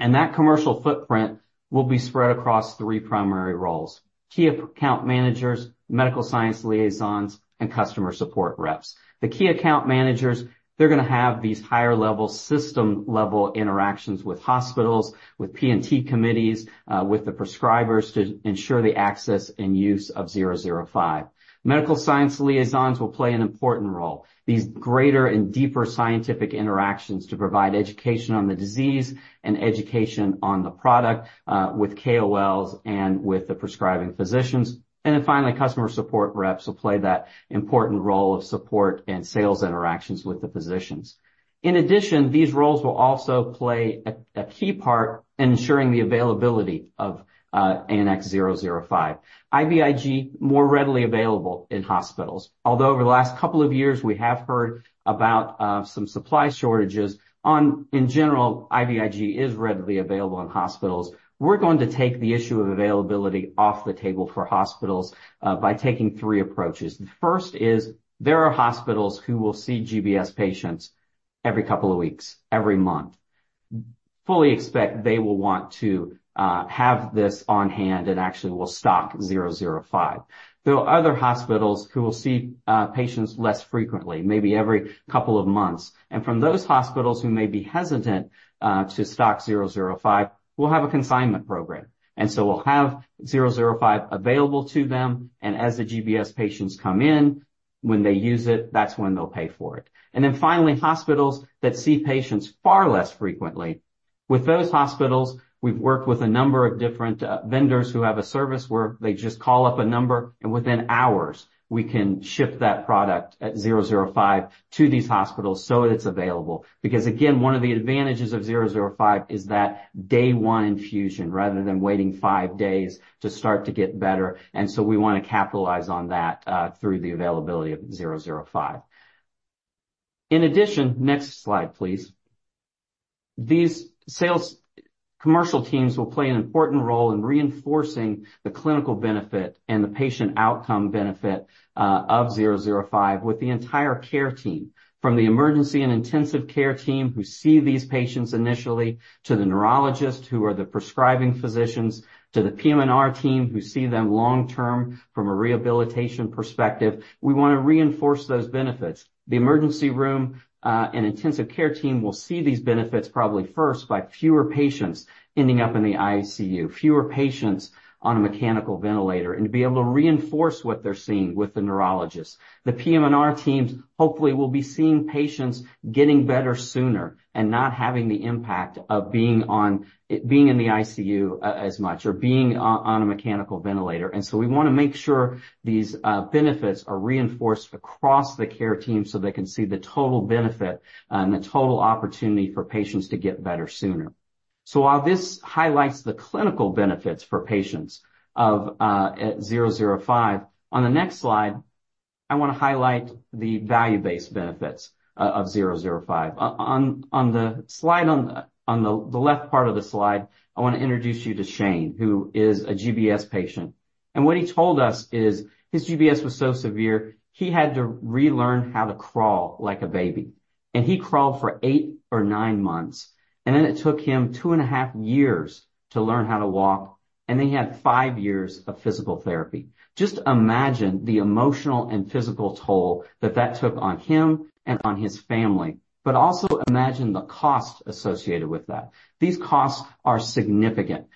That commercial footprint will be spread across three primary roles: key account managers, medical science liaisons, and customer support reps. The key account managers, they're going to have these higher-level, system-level interactions with hospitals, with P&T committees, with the prescribers to ensure the access and use of 005. Medical science liaisons will play an important role, these greater and deeper scientific interactions to provide education on the disease and education on the product with KOLs and with the prescribing physicians. Then finally, customer support reps will play that important role of support and sales interactions with the physicians. In addition, these roles will also play a key part in ensuring the availability of ANX005. IVIG, more readily available in hospitals. Although over the last couple of years, we have heard about some supply shortages, in general, IVIG is readily available in hospitals. We're going to take the issue of availability off the table for hospitals by taking three approaches. The first is there are hospitals who will see GBS patients every couple of weeks, every month. Fully expect they will want to have this on hand and actually will stock ANX005. There are other hospitals who will see patients less frequently, maybe every couple of months. From those hospitals who may be hesitant to stock ANX005, we'll have a consignment program. So we'll have ANX005 available to them. As the GBS patients come in, when they use it, that's when they'll pay for it. Then finally, hospitals that see patients far less frequently. With those hospitals, we've worked with a number of different vendors who have a service where they just call up a number, and within hours, we can ship that product, ANX005, to these hospitals so it's available. Because again, one of the advantages of 005 is that day-one infusion, rather than waiting five days to start to get better. And so we want to capitalize on that through the availability of 005. In addition, next slide, please. These commercial teams will play an important role in reinforcing the clinical benefit and the patient outcome benefit of 005 with the entire care team, from the emergency and intensive care team who see these patients initially, to the neurologists who are the prescribing physicians, to the PM&R team who see them long-term from a rehabilitation perspective. We want to reinforce those benefits. The emergency room and intensive care team will see these benefits probably first by fewer patients ending up in the ICU, fewer patients on a mechanical ventilator, and to be able to reinforce what they're seeing with the neurologists. The PM&R teams hopefully will be seeing patients getting better sooner and not having the impact of being in the ICU as much or being on a mechanical ventilator. And so we want to make sure these benefits are reinforced across the care team so they can see the total benefit and the total opportunity for patients to get better sooner. So while this highlights the clinical benefits for patients of 005, on the next slide, I want to highlight the value-based benefits of 005. On the slide on the left part of the slide, I want to introduce you to Shane, who is a GBS patient. And what he told us is his GBS was so severe, he had to relearn how to crawl like a baby. And he crawled for eight or nine months. Then it took him 2.5 years to learn how to walk. Then he had 5 years of physical therapy. Just imagine the emotional and physical toll that that took on him and on his family. Also imagine the cost associated with that. These costs are significant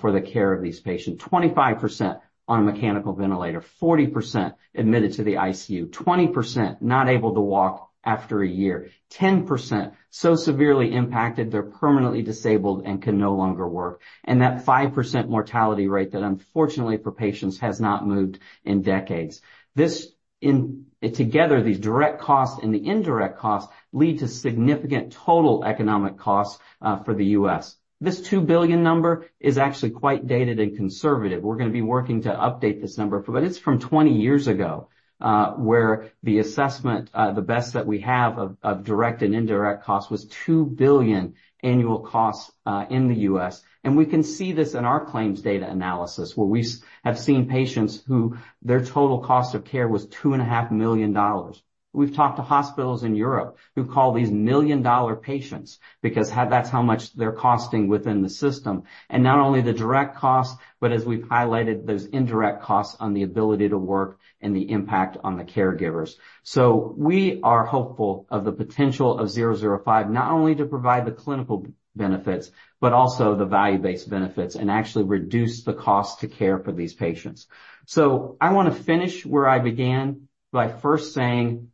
for the care of these patients. 25% on a mechanical ventilator, 40% admitted to the ICU, 20% not able to walk after a year, 10% so severely impacted, they're permanently disabled and can no longer work, and that 5% mortality rate that unfortunately for patients has not moved in decades. Together, these direct costs and the indirect costs lead to significant total economic costs for the U.S. This $2 billion number is actually quite dated and conservative. We're going to be working to update this number, but it's from 20 years ago where the assessment, the best that we have of direct and indirect costs, was $2 billion annual costs in the US. We can see this in our claims data analysis where we have seen patients whose total cost of care was $2.5 million. We've talked to hospitals in Europe who call these million-dollar patients because that's how much they're costing within the system. Not only the direct costs, but as we've highlighted, those indirect costs on the ability to work and the impact on the caregivers. So we are hopeful of the potential of 005 not only to provide the clinical benefits, but also the value-based benefits and actually reduce the cost to care for these patients. I want to finish where I began by first saying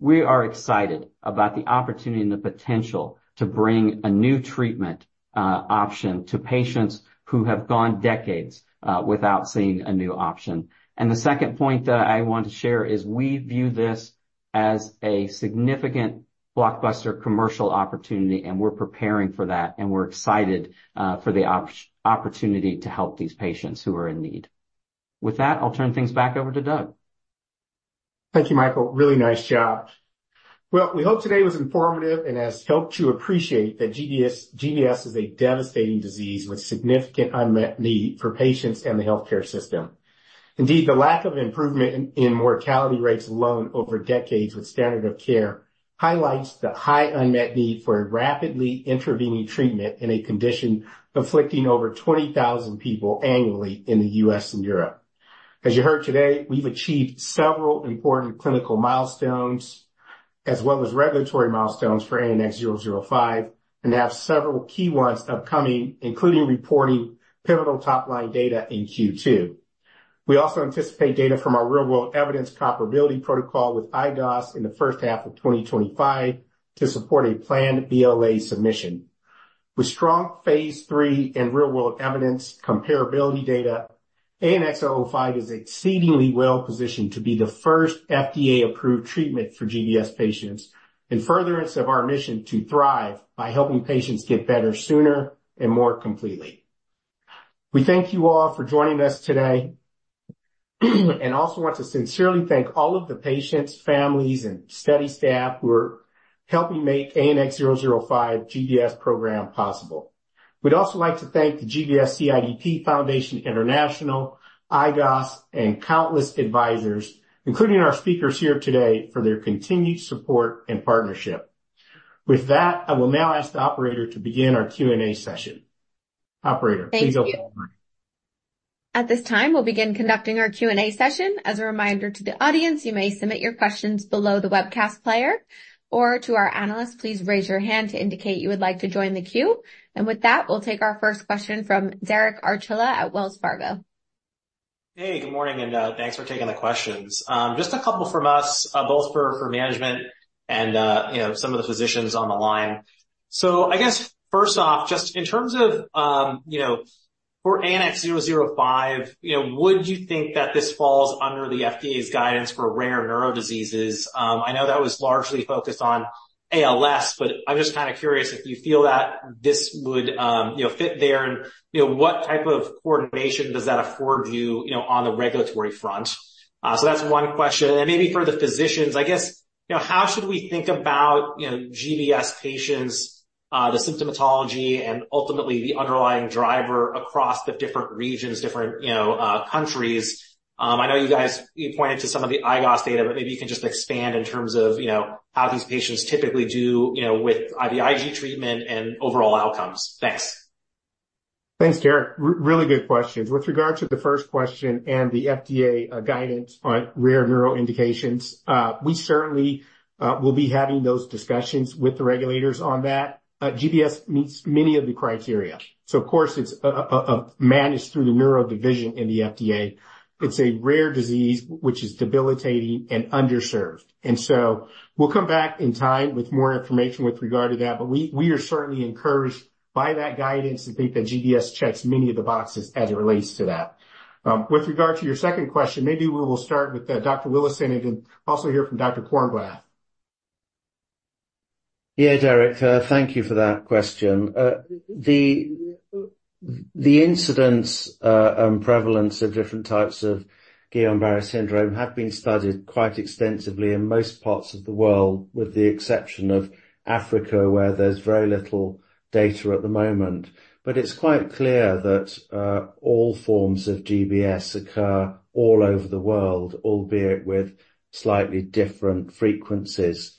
we are excited about the opportunity and the potential to bring a new treatment option to patients who have gone decades without seeing a new option. The second point that I want to share is we view this as a significant blockbuster commercial opportunity, and we're preparing for that, and we're excited for the opportunity to help these patients who are in need. With that, I'll turn things back over to Doug. Thank you, Michael. Really nice job. Well, we hope today was informative and has helped you appreciate that GBS is a devastating disease with significant unmet need for patients and the healthcare system. Indeed, the lack of improvement in mortality rates alone over decades with standard of care highlights the high unmet need for rapidly intervening treatment in a condition afflicting over 20,000 people annually in the U.S. and Europe. As you heard today, we've achieved several important clinical milestones as well as regulatory milestones for ANX005 and have several key ones upcoming, including reporting pivotal top-line data in Q2. We also anticipate data from our real-world evidence comparability protocol with IGOS in the first half of 2025 to support a planned BLA submission. With strong phase III and real-world evidence comparability data, ANX005 is exceedingly well positioned to be the first FDA-approved treatment for GBS patients in furtherance of our mission to thrive by helping patients get better sooner and more completely. We thank you all for joining us today. And also want to sincerely thank all of the patients, families, and study staff who are helping make ANX005 GBS program possible. We'd also like to thank the GBS|CIDP Foundation International, IGOS, and countless advisors, including our speakers here today, for their continued support and partnership. With that, I will now ask the operator to begin our Q&A session. Operator, please go forward. Thank you. At this time, we'll begin conducting our Q&A session. As a reminder to the audience, you may submit your questions below the webcast player. Or to our analysts, please raise your hand to indicate you would like to join the queue. With that, we'll take our first question from Derek Archila at Wells Fargo. Hey, good morning, and thanks for taking the questions. Just a couple from us, both for management and some of the physicians on the line. So I guess first off, just in terms of for ANX005, would you think that this falls under the FDA's guidance for rare neurodiseases? I know that was largely focused on ALS, but I'm just kind of curious if you feel that this would fit there and what type of coordination does that afford you on the regulatory front? So that's one question. And maybe for the physicians, I guess, how should we think about GBS patients, the symptomatology, and ultimately the underlying driver across the different regions, different countries? I know you guys pointed to some of the IGOS data, but maybe you can just expand in terms of how these patients typically do with IVIG treatment and overall outcomes. Thanks. Thanks, Derek. Really good questions. With regard to the first question and the FDA guidance on rare neurological indications, we certainly will be having those discussions with the regulators on that. GBS meets many of the criteria. So of course, it's managed through the neuro division in the FDA. It's a rare disease, which is debilitating and underserved. And so we'll come back in time with more information with regard to that. But we are certainly encouraged by that guidance to think that GBS checks many of the boxes as it relates to that. With regard to your second question, maybe we will start with Dr. Willison and then also hear from Dr. Cornblath. Yeah, Derek, thank you for that question. The incidence and prevalence of different types of Guillain-Barré syndrome have been studied quite extensively in most parts of the world, with the exception of Africa where there's very little data at the moment. But it's quite clear that all forms of GBS occur all over the world, albeit with slightly different frequencies.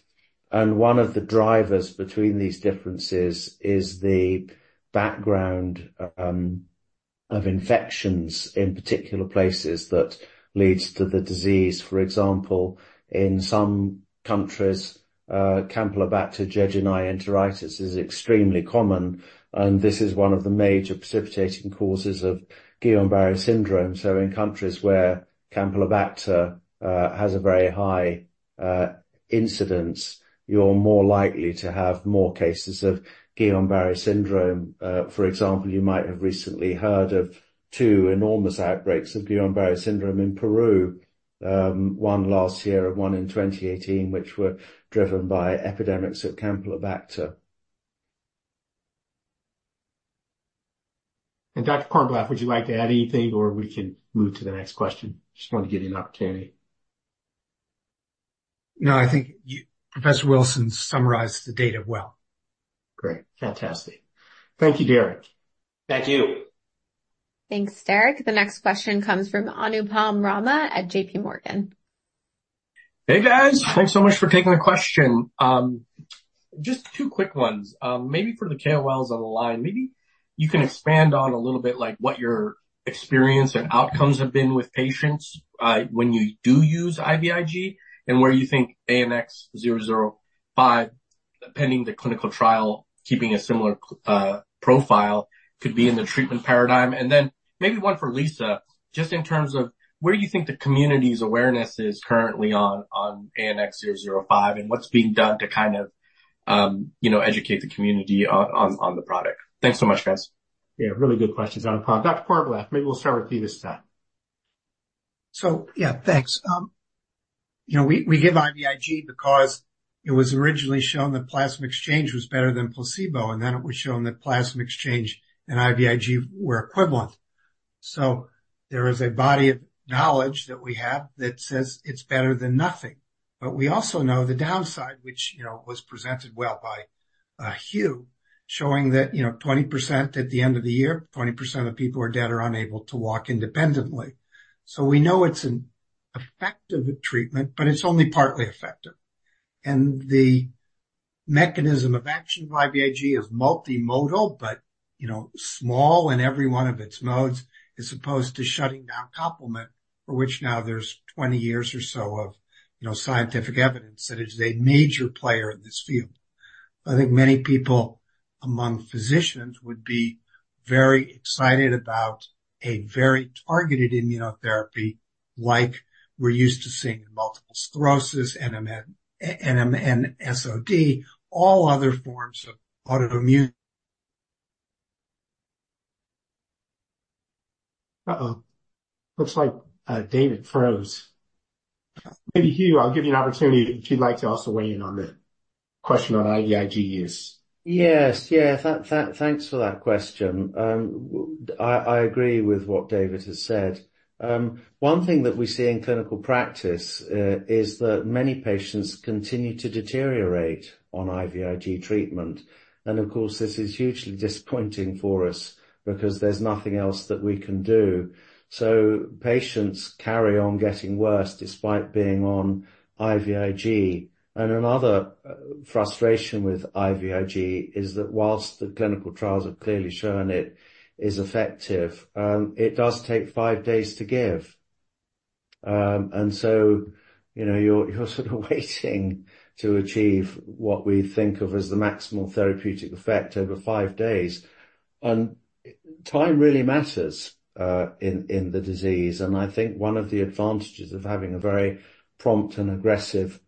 And one of the drivers between these differences is the background of infections in particular places that leads to the disease. For example, in some countries, Campylobacter jejuni enteritis is extremely common. And this is one of the major precipitating causes of Guillain-Barré syndrome. So in countries where Campylobacter has a very high incidence, you're more likely to have more cases of Guillain-Barré syndrome. For example, you might have recently heard of two enormous outbreaks of Guillain-Barré syndrome in Peru, one last year and one in 2018, which were driven by epidemics of Campylobacter. Dr. Cornblath, would you like to add anything, or we can move to the next question? Just wanted to give you an opportunity. No, I think Professor Willison summarized the data well. Great. Fantastic. Thank you, Derek. Thank you. Thanks, Derek. The next question comes from Anupam Rama at JPMorgan. Hey, guys. Thanks so much for taking the question. Just two quick ones. Maybe for the KOLs on the line, maybe you can expand on a little bit what your experience and outcomes have been with patients when you do use IVIG and where you think ANX005, pending the clinical trial, keeping a similar profile, could be in the treatment paradigm. And then maybe one for Lisa, just in terms of where do you think the community's awareness is currently on ANX005 and what's being done to kind of educate the community on the product? Thanks so much, guys. Yeah, really good questions, Anupam. Dr. Cornblath, maybe we'll start with you this time. So yeah, thanks. We give IVIG because it was originally shown that plasma exchange was better than placebo, and then it was shown that plasma exchange and IVIG were equivalent. So there is a body of knowledge that we have that says it's better than nothing. But we also know the downside, which was presented well by Hugh, showing that 20% at the end of the year, 20% of the people are dead or unable to walk independently. So we know it's an effective treatment, but it's only partly effective. And the mechanism of action of IVIG is multimodal, but small in every one of its modes as opposed to shutting down complement, for which now there's 20 years or so of scientific evidence that it's a major player in this field. I think many people among physicians would be very excited about a very targeted immunotherapy like we're used to seeing in multiple sclerosis, NMOSD, all other forms of autoimmune. Uh-oh. Looks like David froze. Maybe Hugh, I'll give you an opportunity if you'd like to also weigh in on the question on IVIG use. Yes, yes. Thanks for that question. I agree with what David has said. One thing that we see in clinical practice is that many patients continue to deteriorate on IVIG treatment. And of course, this is hugely disappointing for us because there's nothing else that we can do. So patients carry on getting worse despite being on IVIG. And another frustration with IVIG is that while the clinical trials have clearly shown it is effective, it does take five days to give. And so you're sort of waiting to achieve what we think of as the maximal therapeutic effect over five days. And time really matters in the disease. I think one of the advantages of having a very prompt and aggressive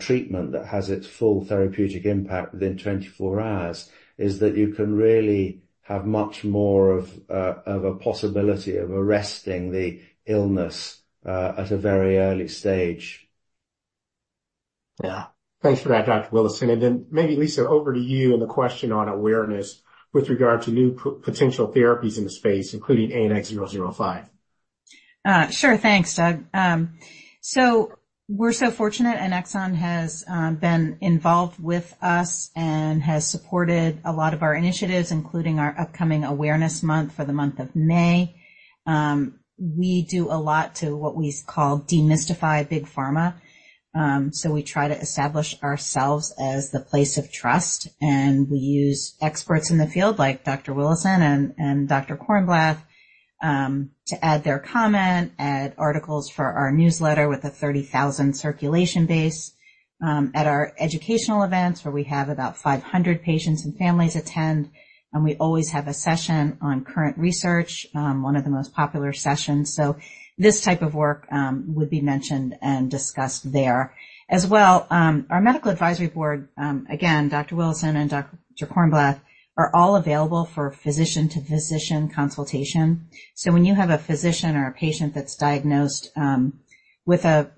treatment that has its full therapeutic impact within 24 hours is that you can really have much more of a possibility of arresting the illness at a very early stage. Yeah. Thanks for that, Dr. Willison. And then maybe, Lisa, over to you and the question on awareness with regard to new potential therapies in the space, including ANX005. Sure. Thanks, Doug. So we're so fortunate Annexon has been involved with us and has supported a lot of our initiatives, including our upcoming awareness month for the month of May. We do a lot to what we call demystify big pharma. So we try to establish ourselves as the place of trust. And we use experts in the field like Dr. Willison and Dr. Cornblath to add their comment, add articles for our newsletter with a 30,000 circulation base, add our educational events where we have about 500 patients and families attend. And we always have a session on current research, one of the most popular sessions. So this type of work would be mentioned and discussed there. As well, our medical advisory board, again, Dr. Willison and Dr. Cornblath are all available for physician-to-physician consultation. When you have a physician or a patient that's diagnosed with a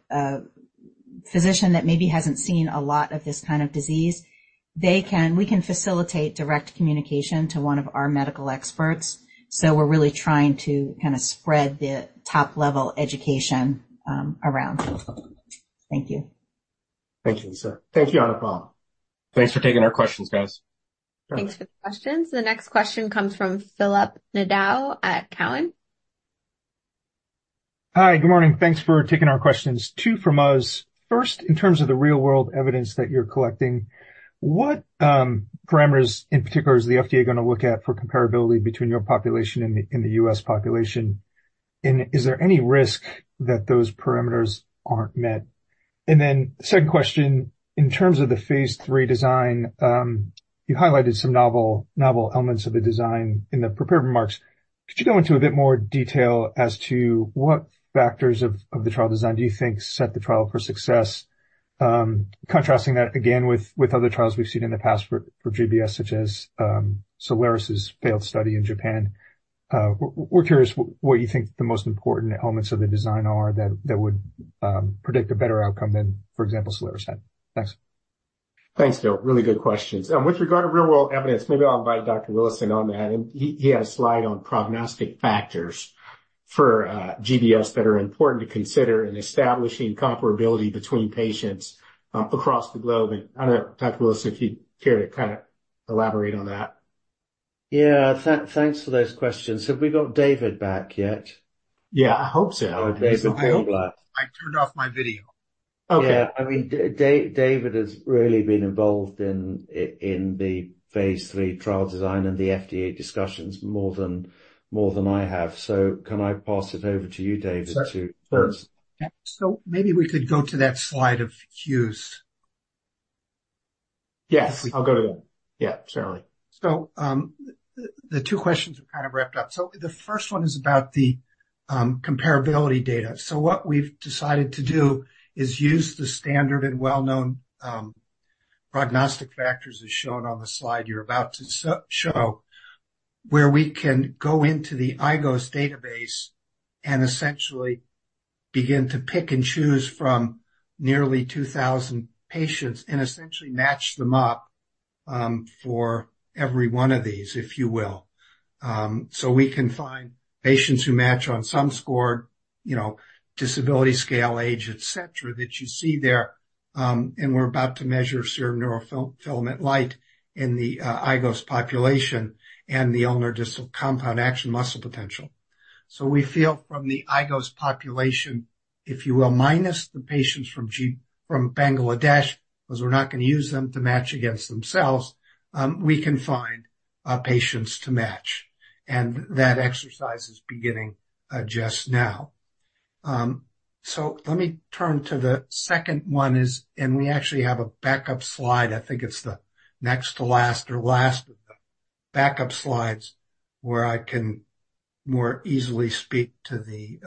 physician that maybe hasn't seen a lot of this kind of disease, we can facilitate direct communication to one of our medical experts. We're really trying to kind of spread the top-level education around. Thank you. Thank you, Lisa. Thank you, Anupam. Thanks for taking our questions, guys. Thanks for the questions. The next question comes from Philip Nadeau at Cowen. Hi, good morning. Thanks for taking our questions. Two from us. First, in terms of the real-world evidence that you're collecting, what parameters in particular is the FDA going to look at for comparability between your population and the U.S. population? And is there any risk that those parameters aren't met? And then second question, in terms of the phase III design, you highlighted some novel elements of the design in the prepared remarks. Could you go into a bit more detail as to what factors of the trial design do you think set the trial for success, contrasting that, again, with other trials we've seen in the past for GBS, such as Soliris's failed study in Japan? We're curious what you think the most important elements of the design are that would predict a better outcome than, for example, Soliris had. Thanks. Thanks, Phil. Really good questions. With regard to real-world evidence, maybe I'll invite Dr. Willison on that. He had a slide on prognostic factors for GBS that are important to consider in establishing comparability between patients across the globe. I don't know, Dr. Willison, if you'd care to kind of elaborate on that? Yeah, thanks for those questions. Have we got David back yet? Yeah, I hope so. David Kornblath. I turned off my video. Yeah, I mean, David has really been involved in the phase III trial design and the FDA discussions more than I have. So can I pass it over to you, David, to? Sure. So maybe we could go to that slide of Hugh's. Yes, I'll go to that. Yeah, certainly. So the two questions are kind of wrapped up. So the first one is about the comparability data. So what we've decided to do is use the standard and well-known prognostic factors, as shown on the slide you're about to show, where we can go into the IGOS database and essentially begin to pick and choose from nearly 2,000 patients and essentially match them up for every one of these, if you will. So we can find patients who match on some score, disability scale, age, etc., that you see there. And we're about to measure serum neurofilament light in the IGOS population and the ulnar distal compound muscle action potential. So we feel from the IGOS population, if you will, minus the patients from Bangladesh because we're not going to use them to match against themselves, we can find patients to match. And that exercise is beginning just now. So let me turn to the second one is and we actually have a backup slide. I think it's the next to last or last of the backup slides where I can more easily speak to the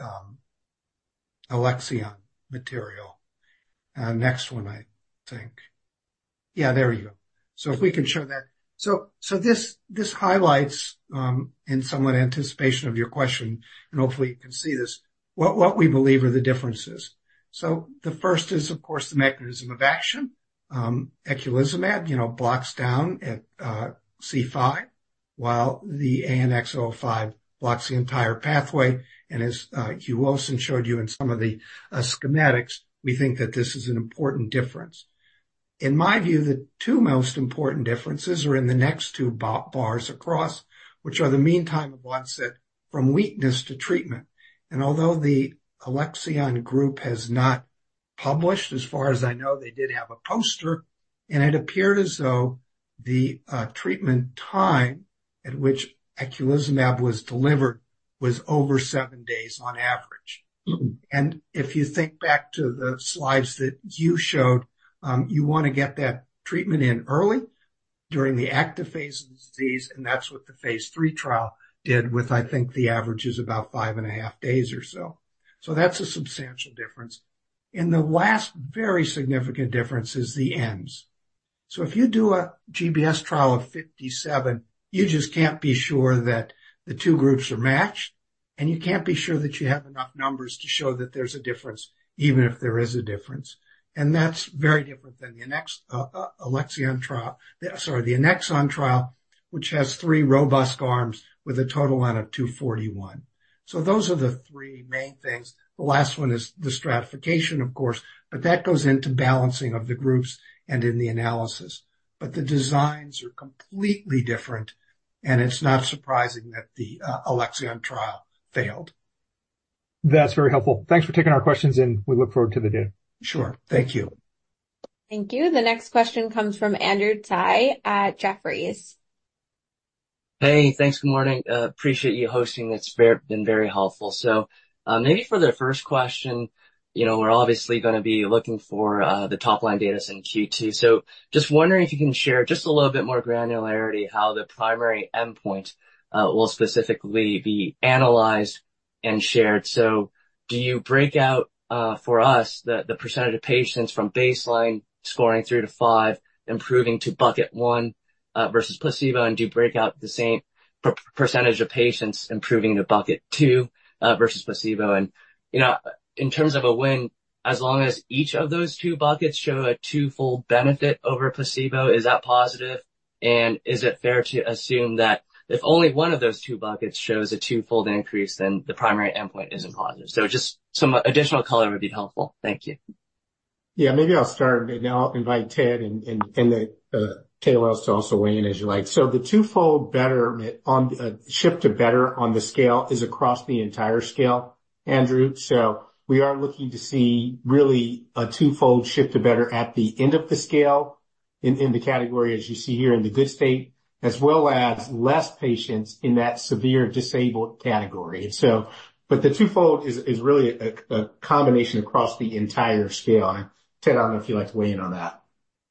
Alexion material. Next one, I think. Yeah, there you go. So if we can show that. So this highlights, in somewhat anticipation of your question, and hopefully you can see this, what we believe are the differences. So the first is, of course, the mechanism of action. Eculizumab blocks down at C5, while the ANX005 blocks the entire pathway. And as Hugh Willison showed you in some of the schematics, we think that this is an important difference. In my view, the two most important differences are in the next two bars across, which are the meantime of onset from weakness to treatment. Although the Alexion group has not published, as far as I know, they did have a poster, and it appeared as though the treatment time at which eculizumab was delivered was over 7 days on average. If you think back to the slides that you showed, you want to get that treatment in early during the active phase of the disease. That's what the phase III trial did with, I think, the average is about 5.5 days or so. So that's a substantial difference. The last very significant difference is the ends. If you do a GBS trial of 57, you just can't be sure that the two groups are matched. You can't be sure that you have enough numbers to show that there's a difference, even if there is a difference. That's very different than the next Alexion trial, sorry, the Annexon trial, which has three robust arms with a total N of 241. Those are the three main things. The last one is the stratification, of course, but that goes into balancing of the groups and in the analysis. But the designs are completely different. It's not surprising that the Alexion trial failed. That's very helpful. Thanks for taking our questions, and we look forward to the data. Sure. Thank you. Thank you. The next question comes from Andrew Tsai at Jefferies. Hey, thanks. Good morning. Appreciate you hosting. It's been very helpful. So maybe for the first question, we're obviously going to be looking for the top-line data in Q2. So just wondering if you can share just a little bit more granularity, how the primary endpoint will specifically be analyzed and shared. So do you break out for us the percentage of patients from baseline scoring 3 to 5, improving to bucket 1 versus placebo? And do you break out the same percentage of patients improving to bucket 2 versus placebo? And in terms of a win, as long as each of those two buckets show a twofold benefit over placebo, is that positive? And is it fair to assume that if only one of those two buckets shows a twofold increase, then the primary endpoint isn't positive? So just some additional color would be helpful. Thank you. Yeah, maybe I'll start. I'll invite Ted and anyone else to also weigh in as you like. So the twofold better shift to better on the scale is across the entire scale, Andrew. So we are looking to see really a twofold shift to better at the end of the scale in the category, as you see here in the good state, as well as less patients in that severe disabled category. But the twofold is really a combination across the entire scale. Ted, I don't know if you'd like to weigh in on that.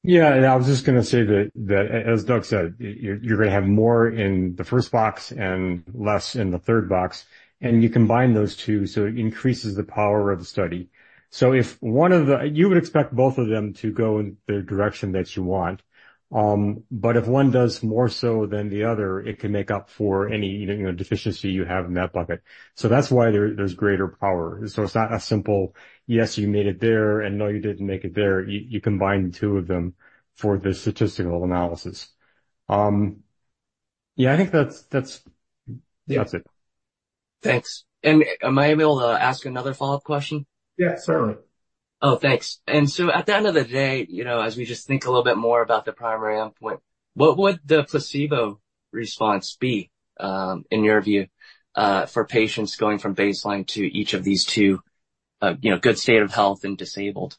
Yeah, and I was just going to say that, as Doug said, you're going to have more in the first box and less in the third box. And you combine those two, so it increases the power of the study. So if one of the you would expect both of them to go in the direction that you want. But if one does more so than the other, it can make up for any deficiency you have in that bucket. So that's why there's greater power. So it's not a simple, "Yes, you made it there," and, "No, you didn't make it there." You combine the two of them for the statistical analysis. Yeah, I think that's it. Thanks. Am I able to ask another follow-up question? Yeah, certainly. Oh, thanks. And so at the end of the day, as we just think a little bit more about the primary endpoint, what would the placebo response be, in your view, for patients going from baseline to each of these two, good state of health and disabled?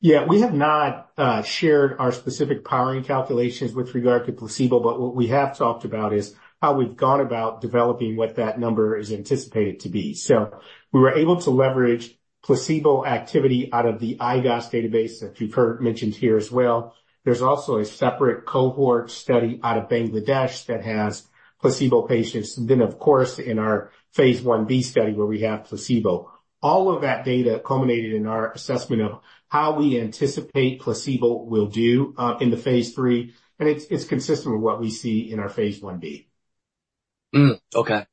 Yeah, we have not shared our specific powering calculations with regard to placebo. But what we have talked about is how we've gone about developing what that number is anticipated to be. So we were able to leverage placebo activity out of the IGOS database that you've mentioned here as well. There's also a separate cohort study out of Bangladesh that has placebo patients. And then, of course, in our phase I-B study where we have placebo, all of that data culminated in our assessment of how we anticipate placebo will do in the phase III. And it's consistent with what we see in our phase I-B. Okay.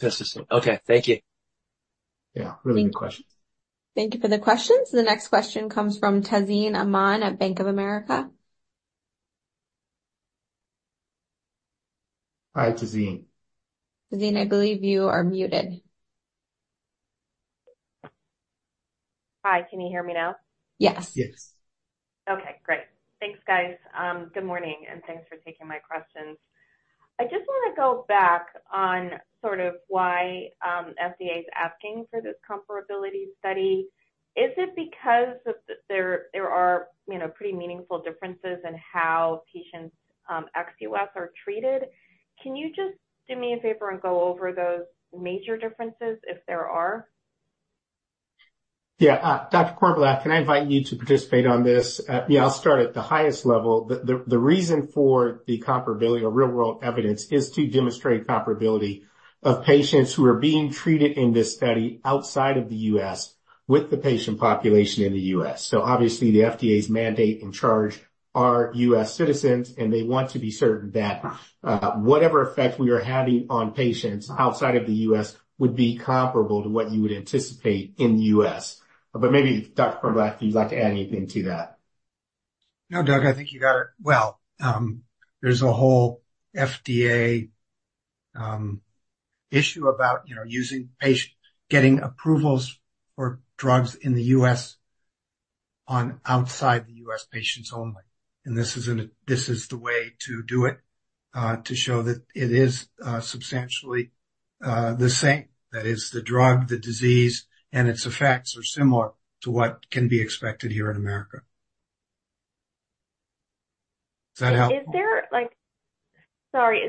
Consistent. Okay. Thank you. Yeah, really good questions. Thank you for the questions. The next question comes from Tazeen Ahmad at Bank of America. Hi, Tazeen. Tazeen, I believe you are muted. Hi. Can you hear me now? Yes. Yes. Okay. Great. Thanks, guys. Good morning. And thanks for taking my questions. I just want to go back on sort of why FDA is asking for this comparability study. Is it because there are pretty meaningful differences in how patients in the U.S. are treated? Can you just do me a favor and go over those major differences, if there are? Yeah. Dr. Cornblath, can I invite you to participate on this? Yeah, I'll start at the highest level. The reason for the comparability or real-world evidence is to demonstrate comparability of patients who are being treated in this study outside of the U.S. with the patient population in the U.S. So obviously, the FDA's mandate in charge are U.S. citizens. And they want to be certain that whatever effect we are having on patients outside of the U.S. would be comparable to what you would anticipate in the U.S. But maybe, Dr. Cornblath, if you'd like to add anything to that. No, Doug, I think you got it. Well, there's a whole FDA issue about getting approvals for drugs in the U.S. outside the U.S. patients only. This is the way to do it, to show that it is substantially the same. That is, the drug, the disease, and its effects are similar to what can be expected here in America. Does that help? Is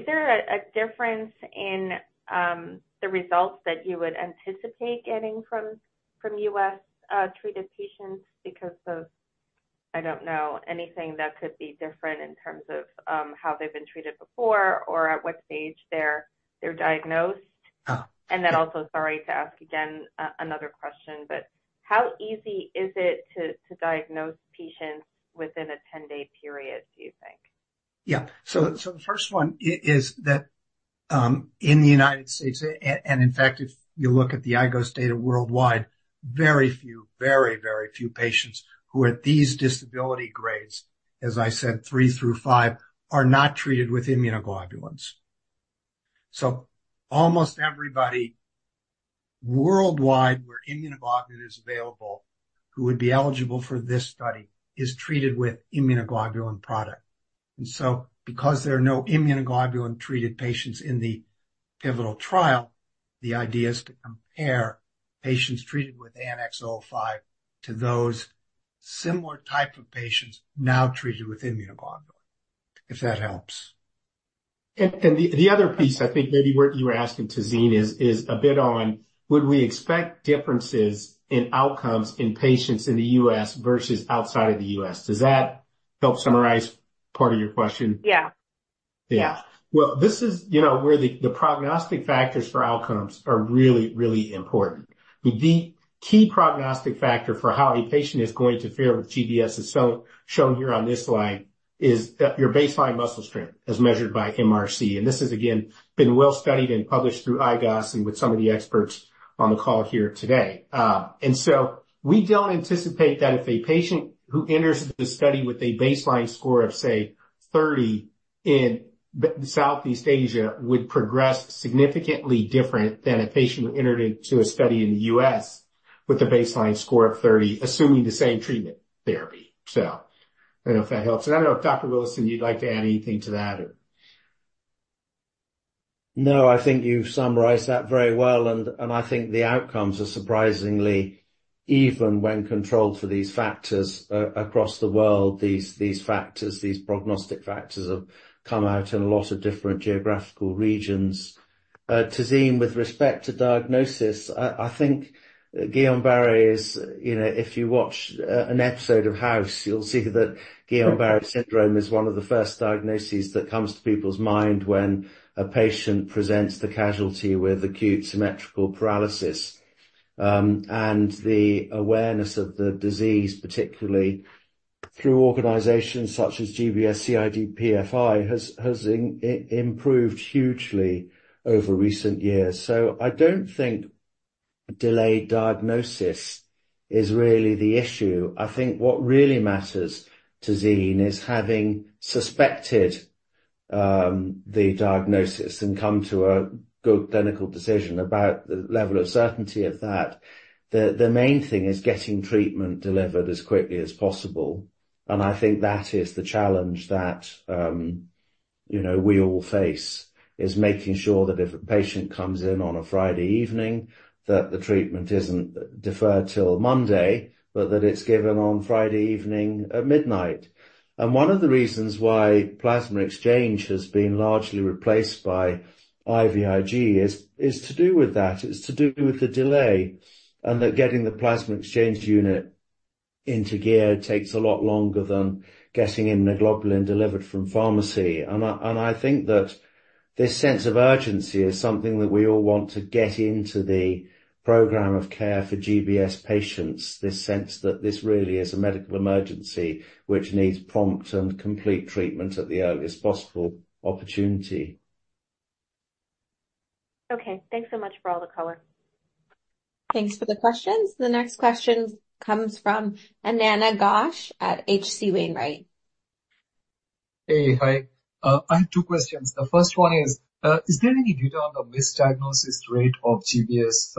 there a difference in the results that you would anticipate getting from U.S.-treated patients because of, I don't know, anything that could be different in terms of how they've been treated before or at what stage they're diagnosed? And then also, sorry to ask again another question, but how easy is it to diagnose patients within a 10-day period, do you think? Yeah. So the first one is that in the United States and in fact, if you look at the IGOS data worldwide, very few, very, very few patients who are at these disability grades, as I said, 3 through 5, are not treated with immunoglobulins. So almost everybody worldwide where immunoglobulin is available who would be eligible for this study is treated with immunoglobulin product. And so because there are no immunoglobulin-treated patients in the pivotal trial, the idea is to compare patients treated with ANX005 to those similar type of patients now treated with immunoglobulin, if that helps. The other piece, I think, maybe what you were asking, Tazeen, is a bit on, would we expect differences in outcomes in patients in the U.S. versus outside of the U.S.? Does that help summarize part of your question? Yeah. Yeah. Well, this is where the prognostic factors for outcomes are really, really important. The key prognostic factor for how a patient is going to fare with GBS, as shown here on this slide, is your baseline muscle strength as measured by MRC. And this has, again, been well-studied and published through IGOS and with some of the experts on the call here today. And so we don't anticipate that if a patient who enters the study with a baseline score of, say, 30 in Southeast Asia would progress significantly different than a patient who entered into a study in the U.S. with a baseline score of 30, assuming the same treatment therapy, so. I don't know if that helps. And I don't know if, Dr. Willison, you'd like to add anything to that or. No, I think you've summarized that very well. I think the outcomes are surprisingly even when controlled for these factors across the world. These factors, these prognostic factors, have come out in a lot of different geographical regions. Tazeen, with respect to diagnosis, I think Guillain-Barré is if you watch an episode of House, you'll see that Guillain-Barré syndrome is one of the first diagnoses that comes to people's mind when a patient presents to casualty with acute symmetrical paralysis. The awareness of the disease, particularly through organizations such as GBS-CIDP F.I., has improved hugely over recent years. So I don't think delayed diagnosis is really the issue. I think what really matters, Tazeen, is having suspected the diagnosis and come to a good clinical decision about the level of certainty of that. The main thing is getting treatment delivered as quickly as possible. I think that is the challenge that we all face, is making sure that if a patient comes in on a Friday evening, that the treatment isn't deferred till Monday, but that it's given on Friday evening at midnight. One of the reasons why plasma exchange has been largely replaced by IVIG is to do with that. It's to do with the delay. Getting the plasma exchange unit into gear takes a lot longer than getting immunoglobulin delivered from pharmacy. I think that this sense of urgency is something that we all want to get into the program of care for GBS patients, this sense that this really is a medical emergency which needs prompt and complete treatment at the earliest possible opportunity. Okay. Thanks so much for all the color. Thanks for the questions. The next question comes from Ananda Ghosh at HC Wainwright. Hey, hi. I have two questions. The first one is, is there any data on the misdiagnosis rate of GBS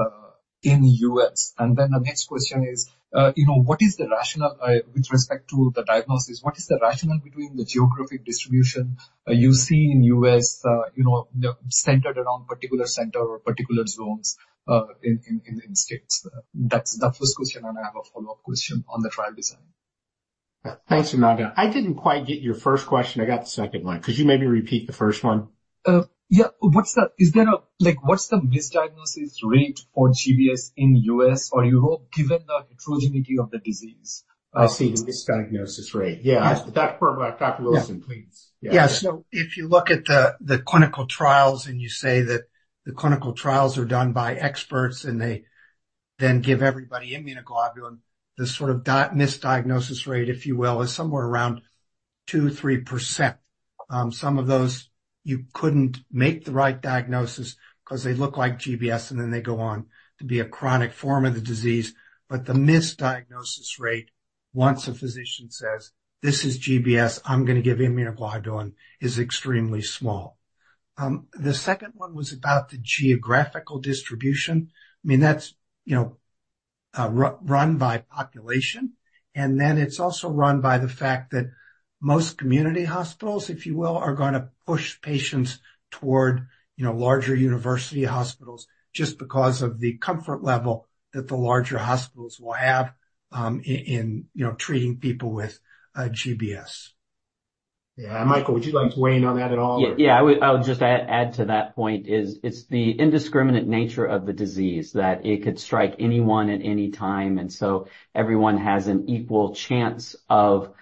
in the U.S.? And then the next question is, what is the rationale with respect to the diagnosis? What is the rationale between the geographic distribution you see in the U.S. centered around particular center or particular zones in states? That's the first question. And I have a follow-up question on the trial design. Thanks, Ananda. I didn't quite get your first question. I got the second one. Could you maybe repeat the first one? Yeah. What's the misdiagnosis rate for GBS in the U.S. or Europe given the heterogeneity of the disease? I see the misdiagnosis rate. Yeah. Dr. Willison, please. Yeah. So if you look at the clinical trials and you say that the clinical trials are done by experts and they then give everybody immunoglobulin, the sort of misdiagnosis rate, if you will, is somewhere around 2%-3%. Some of those, you couldn't make the right diagnosis because they look like GBS, and then they go on to be a chronic form of the disease. But the misdiagnosis rate, once a physician says, "This is GBS. I'm going to give immunoglobulin," is extremely small. The second one was about the geographical distribution. I mean, that's run by population. And then it's also run by the fact that most community hospitals, if you will, are going to push patients toward larger university hospitals just because of the comfort level that the larger hospitals will have in treating people with GBS. Yeah. And Michael, would you like to weigh in on that at all, or? Yeah. I would just add to that point: it's the indiscriminate nature of the disease that it could strike anyone at any time. So everyone has an equal chance of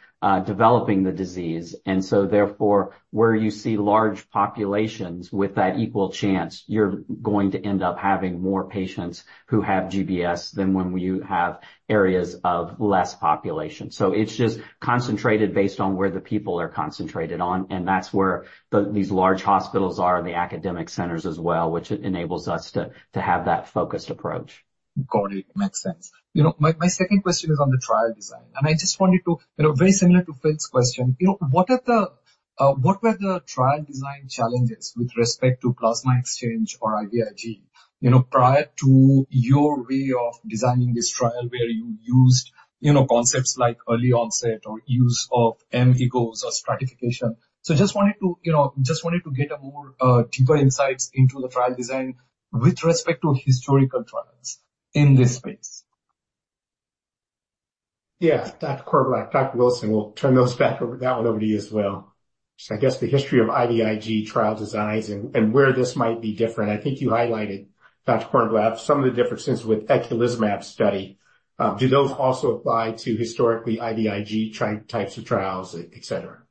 developing the disease. Therefore, where you see large populations with that equal chance, you're going to end up having more patients who have GBS than when you have areas of less population. So it's just concentrated based on where the people are concentrated on. And that's where these large hospitals are and the academic centers as well, which enables us to have that focused approach. Got it. Makes sense. My second question is on the trial design. And I just wanted to, very similar to Phil's question, what were the trial design challenges with respect to plasma exchange or IVIG prior to your way of designing this trial where you used concepts like early onset or use of mEGOS or stratification? So just wanted to get deeper insights into the trial design with respect to historical trials in this space. Yeah. Dr. Willison, we'll turn that one over to you as well. I guess the history of IVIG trial designs and where this might be different. I think you highlighted, Dr. Cornblath, some of the differences with eculizumab study. Do those also apply to historically IVIG types of trials, etc.?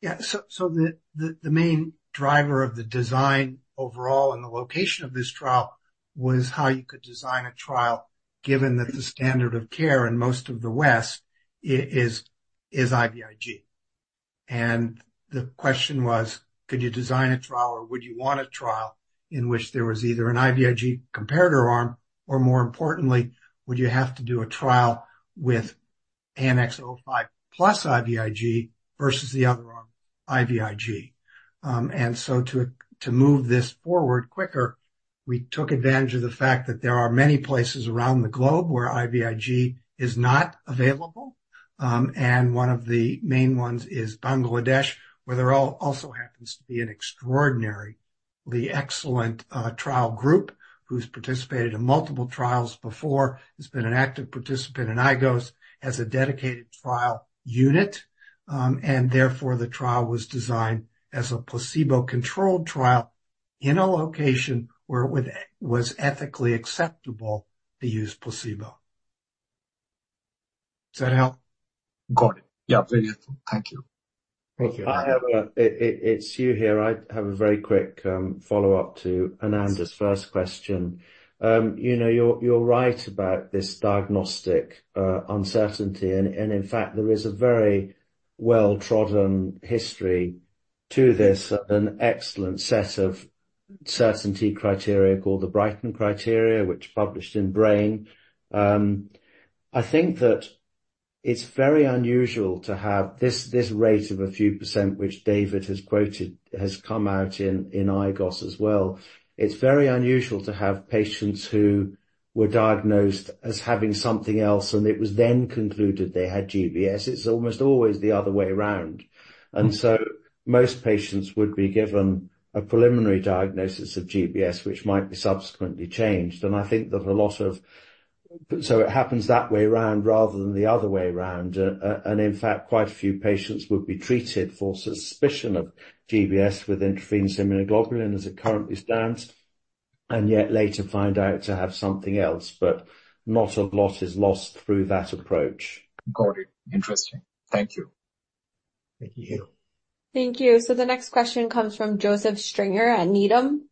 Yeah. So the main driver of the design overall and the location of this trial was how you could design a trial given that the standard of care in most of the West is IVIG. And the question was, could you design a trial, or would you want a trial in which there was either an IVIG comparator arm, or more importantly, would you have to do a trial with ANX005 plus IVIG versus the other arm, IVIG? And so to move this forward quicker, we took advantage of the fact that there are many places around the globe where IVIG is not available. And one of the main ones is Bangladesh, where there also happens to be an extraordinarily excellent trial group who's participated in multiple trials before, has been an active participant in IGOS, has a dedicated trial unit. Therefore, the trial was designed as a placebo-controlled trial in a location where it was ethically acceptable to use placebo. Does that help? Got it. Yeah, very helpful. Thank you. Thank you. It's Hugh here. I have a very quick follow-up to Ananda's first question. You're right about this diagnostic uncertainty. In fact, there is a very well-trodden history to this and an excellent set of certainty criteria called the Brighton Criteria, which published in Brain. I think that it's very unusual to have this rate of a few% which David has quoted has come out in IGOS as well. It's very unusual to have patients who were diagnosed as having something else, and it was then concluded they had GBS. It's almost always the other way around. So most patients would be given a preliminary diagnosis of GBS, which might be subsequently changed. I think that a lot of so it happens that way around rather than the other way around. In fact, quite a few patients would be treated for suspicion of GBS with intravenous immunoglobulin as it currently stands, and yet later find out to have something else. Not a lot is lost through that approach. Got it. Interesting. Thank you. Thank you. Thank you. So the next question comes from Joseph Stringer at Needham.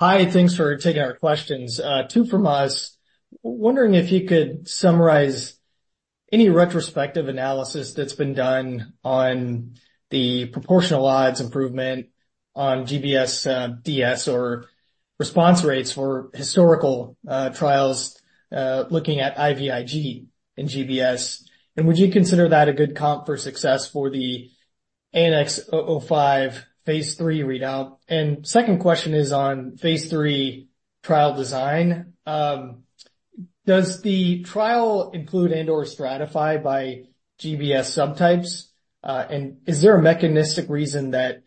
Hi. Thanks for taking our questions. Two from us. Wondering if you could summarize any retrospective analysis that's been done on the proportional odds improvement on GBS-DS or response rates for historical trials looking at IVIG and GBS. Would you consider that a good comp for success for the ANX005 phase III readout? Second question is on phase III trial design. Does the trial include and/or stratify by GBS subtypes? And is there a mechanistic reason that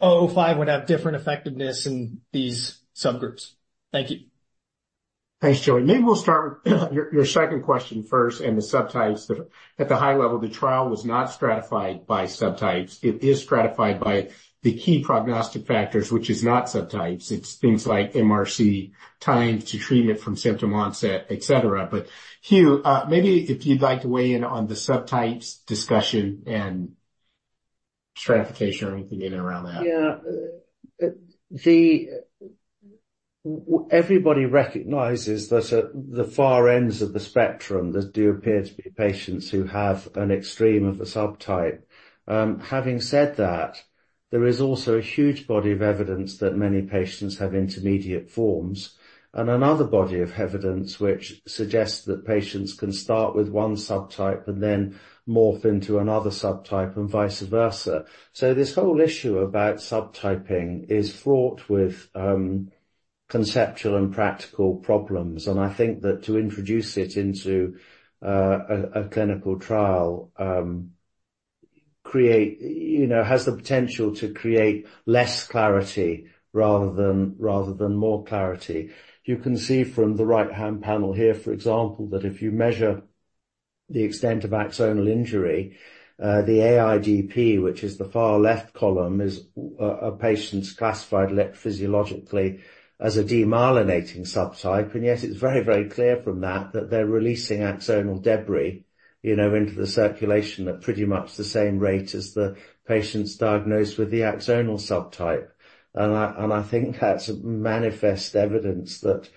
005 would have different effectiveness in these subgroups? Thank you. Thanks, Joey. Maybe we'll start with your second question first and the subtypes. At the high level, the trial was not stratified by subtypes. It is stratified by the key prognostic factors, which is not subtypes. It's things like MRC, time to treatment from symptom onset, etc. But Hugh, maybe if you'd like to weigh in on the subtypes discussion and stratification or anything in and around that. Yeah. Everybody recognizes that the far ends of the spectrum that do appear to be patients who have an extreme of a subtype. Having said that, there is also a huge body of evidence that many patients have intermediate forms and another body of evidence which suggests that patients can start with one subtype and then morph into another subtype and vice versa. So this whole issue about subtyping is fraught with conceptual and practical problems. I think that to introduce it into a clinical trial has the potential to create less clarity rather than more clarity. You can see from the right-hand panel here, for example, that if you measure the extent of axonal injury, the AIDP, which is the far left column, is a patient's classified physiologically as a demyelinating subtype. And yet, it's very, very clear from that that they're releasing axonal debris into the circulation at pretty much the same rate as the patients diagnosed with the axonal subtype. I think that's manifest evidence that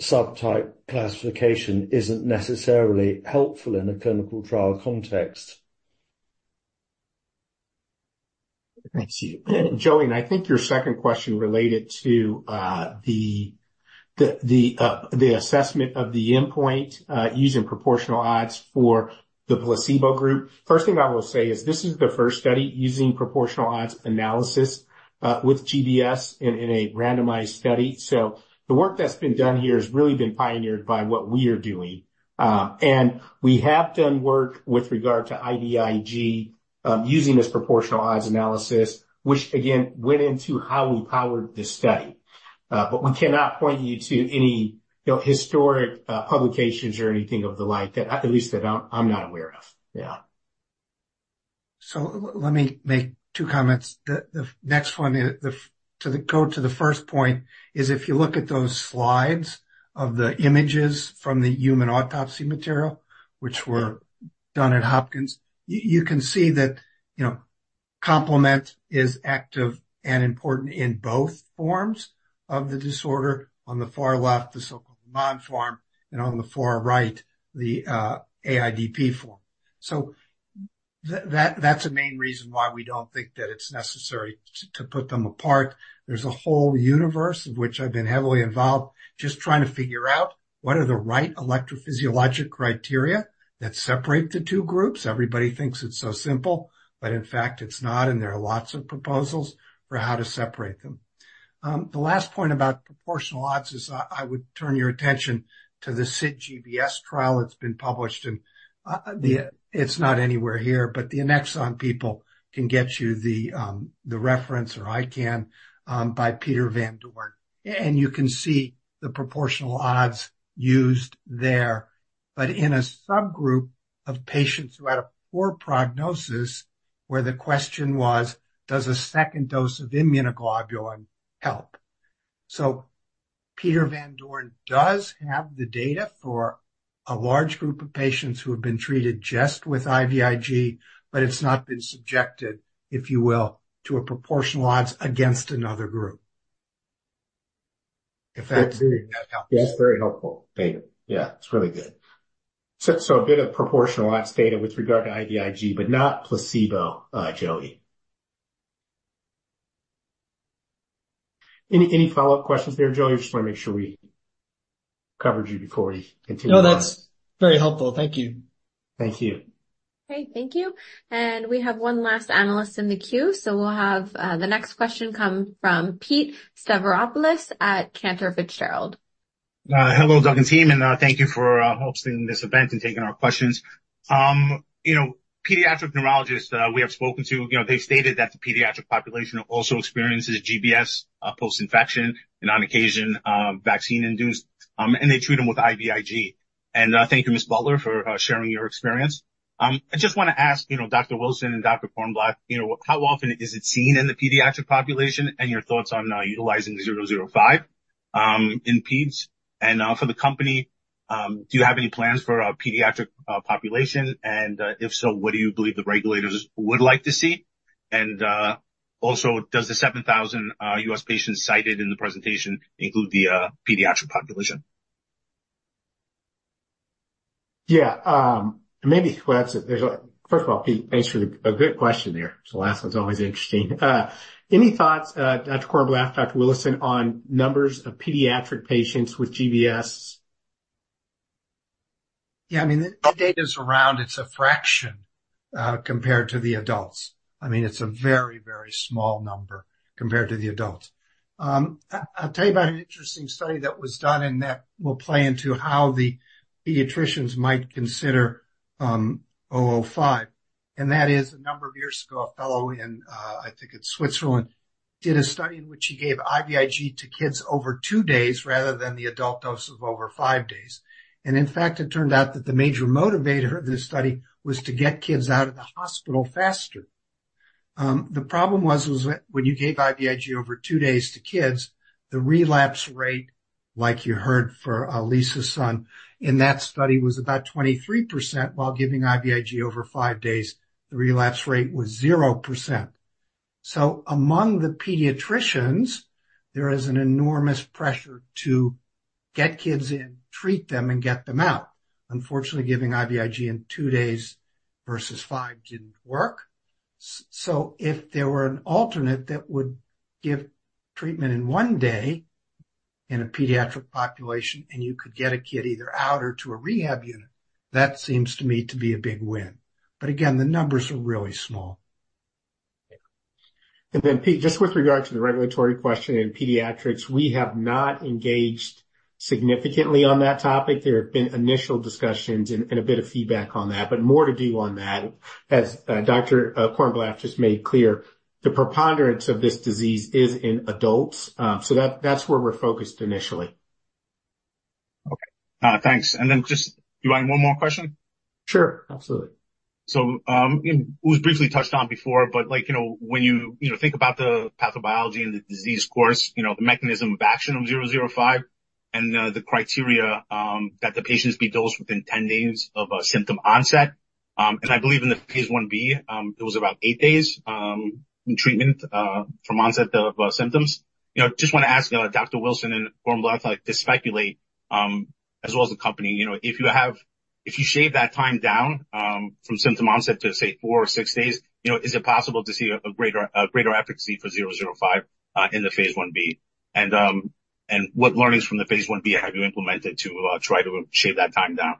subtype classification isn't necessarily helpful in a clinical trial context. Thanks, Hugh. Joey, I think your second question related to the assessment of the endpoint using proportional odds for the placebo group. First thing I will say is this is the first study using proportional odds analysis with GBS in a randomized study. So the work that's been done here has really been pioneered by what we are doing. And we have done work with regard to IVIG using this proportional odds analysis, which, again, went into how we powered this study. But we cannot point you to any historic publications or anything of the like, at least that I'm not aware of. Yeah. So let me make two comments. The next one, to go to the first point, is if you look at those slides of the images from the human autopsy material, which were done at Hopkins, you can see that complement is active and important in both forms of the disorder. On the far left, the so-called AMAN form, and on the far right, the AIDP form. So that's a main reason why we don't think that it's necessary to put them apart. There's a whole universe of which I've been heavily involved just trying to figure out what are the right electrophysiologic criteria that separate the two groups. Everybody thinks it's so simple, but in fact, it's not, and there are lots of proposals for how to separate them. The last point about proportional odds is I would turn your attention to the SID-GBS trial that's been published. It's not anywhere here, but the Annexon people can get you the reference, or I can, by Peter van Doorn. You can see the proportional odds used there, but in a subgroup of patients who had a poor prognosis where the question was, "Does a second dose of immunoglobulin help?" Peter van Doorn does have the data for a large group of patients who have been treated just with IVIG, but it's not been subjected, if you will, to a proportional odds against another group, if that helps. That's very helpful. Yeah. It's really good. So a bit of proportional odds data with regard to IVIG, but not placebo, Joey. Any follow-up questions there, Joey? I just want to make sure we covered you before we continue. No, that's very helpful. Thank you. Thank you. Okay. Thank you. We have one last analyst in the queue. We'll have the next question come from Pete Stavropoulos at Cantor Fitzgerald. Hello, Annexon team. And thank you for hosting this event and taking our questions. Pediatric neurologists we have spoken to, they've stated that the pediatric population also experiences GBS post-infection and on occasion vaccine-induced, and they treat them with IVIG. And thank you, Ms. Butler, for sharing your experience. I just want to ask Dr. Willison and Dr. Cornblath, how often is it seen in the pediatric population and your thoughts on utilizing 005 in peds? And for the company, do you have any plans for a pediatric population? And if so, what do you believe the regulators would like to see? And also, does the 7,000 US patients cited in the presentation include the pediatric population? Yeah. Maybe that's it. First of all, Pete, thanks for the good question there. So the last one's always interesting. Any thoughts, Dr. Cornblath, Dr. Willison, on numbers of pediatric patients with GBS? Yeah. I mean, the data is around. It's a fraction compared to the adults. I mean, it's a very, very small number compared to the adults. I'll tell you about an interesting study that was done and that will play into how the pediatricians might consider 005. And that is a number of years ago, a fellow in, I think, Switzerland did a study in which he gave IVIG to kids over 2 days rather than the adult dose of over 5 days. And in fact, it turned out that the major motivator of this study was to get kids out of the hospital faster. The problem was when you gave IVIG over 2 days to kids, the relapse rate, like you heard for Lisa's son in that study, was about 23%. While giving IVIG over 5 days, the relapse rate was 0%. Among the pediatricians, there is an enormous pressure to get kids in, treat them, and get them out. Unfortunately, giving IVIG in two days versus five didn't work. If there were an alternate that would give treatment in one day in a pediatric population and you could get a kid either out or to a rehab unit, that seems to me to be a big win. But again, the numbers are really small. Then Pete, just with regard to the regulatory question in pediatrics, we have not engaged significantly on that topic. There have been initial discussions and a bit of feedback on that, but more to do on that. As Dr. Cornblath just made clear, the preponderance of this disease is in adults. So that's where we're focused initially. Okay. Thanks. And then just do you want one more question? Sure. Absolutely. So it was briefly touched on before, but when you think about the pathobiology and the disease course, the mechanism of action of 005 and the criteria that the patients be dosed within 10 days of symptom onset and I believe in the phase I-B, it was about 8 days in treatment from onset of symptoms. Just want to ask Dr. Willison and Cornblath to speculate, as well as the company, if you shave that time down from symptom onset to, say, 4 or 6 days, is it possible to see a greater efficacy for 005 in the phase I-B? And what learnings from the phase I-B have you implemented to try to shave that time down?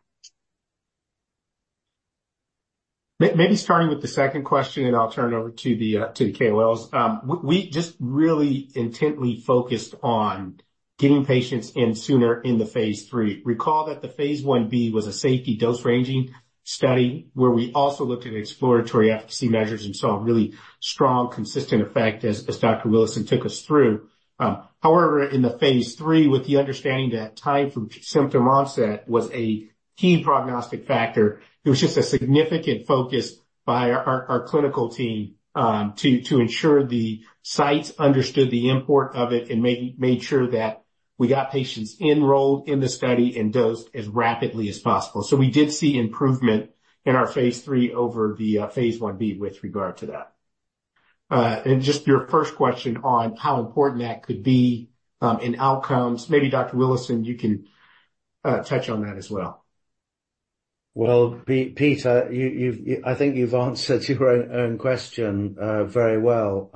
Maybe starting with the second question, and I'll turn it over to the KOLs. We just really intently focused on getting patients in sooner in the phase III. Recall that the phase 1B was a safety dose ranging study where we also looked at exploratory efficacy measures and saw a really strong, consistent effect as Dr. Willison took us through. However, in the phase III, with the understanding that time from symptom onset was a key prognostic factor, it was just a significant focus by our clinical team to ensure the sites understood the import of it and made sure that we got patients enrolled in the study and dosed as rapidly as possible. So we did see improvement in our phase III over the phase I-B with regard to that. And just your first question on how important that could be in outcomes. Maybe Dr. Willison, you can touch on that as well. Well, Pete, I think you've answered your own question very well.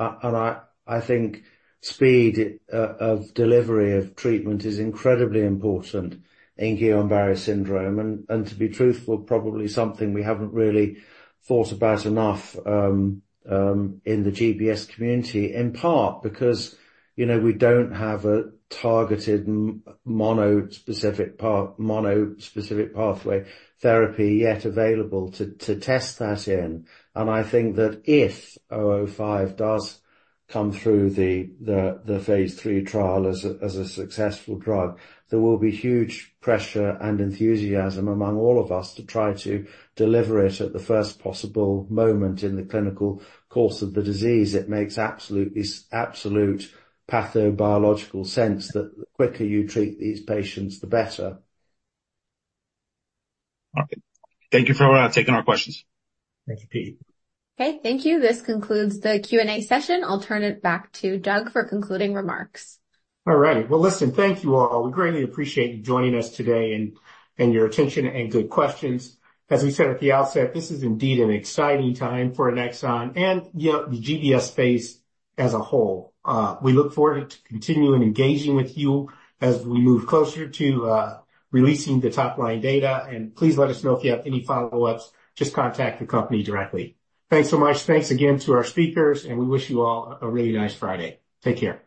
I think speed of delivery of treatment is incredibly important in Guillain-Barré syndrome. To be truthful, probably something we haven't really thought about enough in the GBS community, in part because we don't have a targeted mono-specific pathway therapy yet available to test that in. I think that if 005 does come through the phase III trial as a successful drug, there will be huge pressure and enthusiasm among all of us to try to deliver it at the first possible moment in the clinical course of the disease. It makes absolute pathobiological sense that the quicker you treat these patients, the better. All right. Thank you for taking our questions. Thank you, Pete. Okay. Thank you. This concludes the Q&A session. I'll turn it back to Doug for concluding remarks. All righty. Well, listen, thank you all. We greatly appreciate you joining us today and your attention and good questions. As we said at the outset, this is indeed an exciting time for Annexon and the GBS space as a whole. We look forward to continuing engaging with you as we move closer to releasing the top-line data. And please let us know if you have any follow-ups. Just contact the company directly. Thanks so much. Thanks again to our speakers, and we wish you all a really nice Friday. Take care.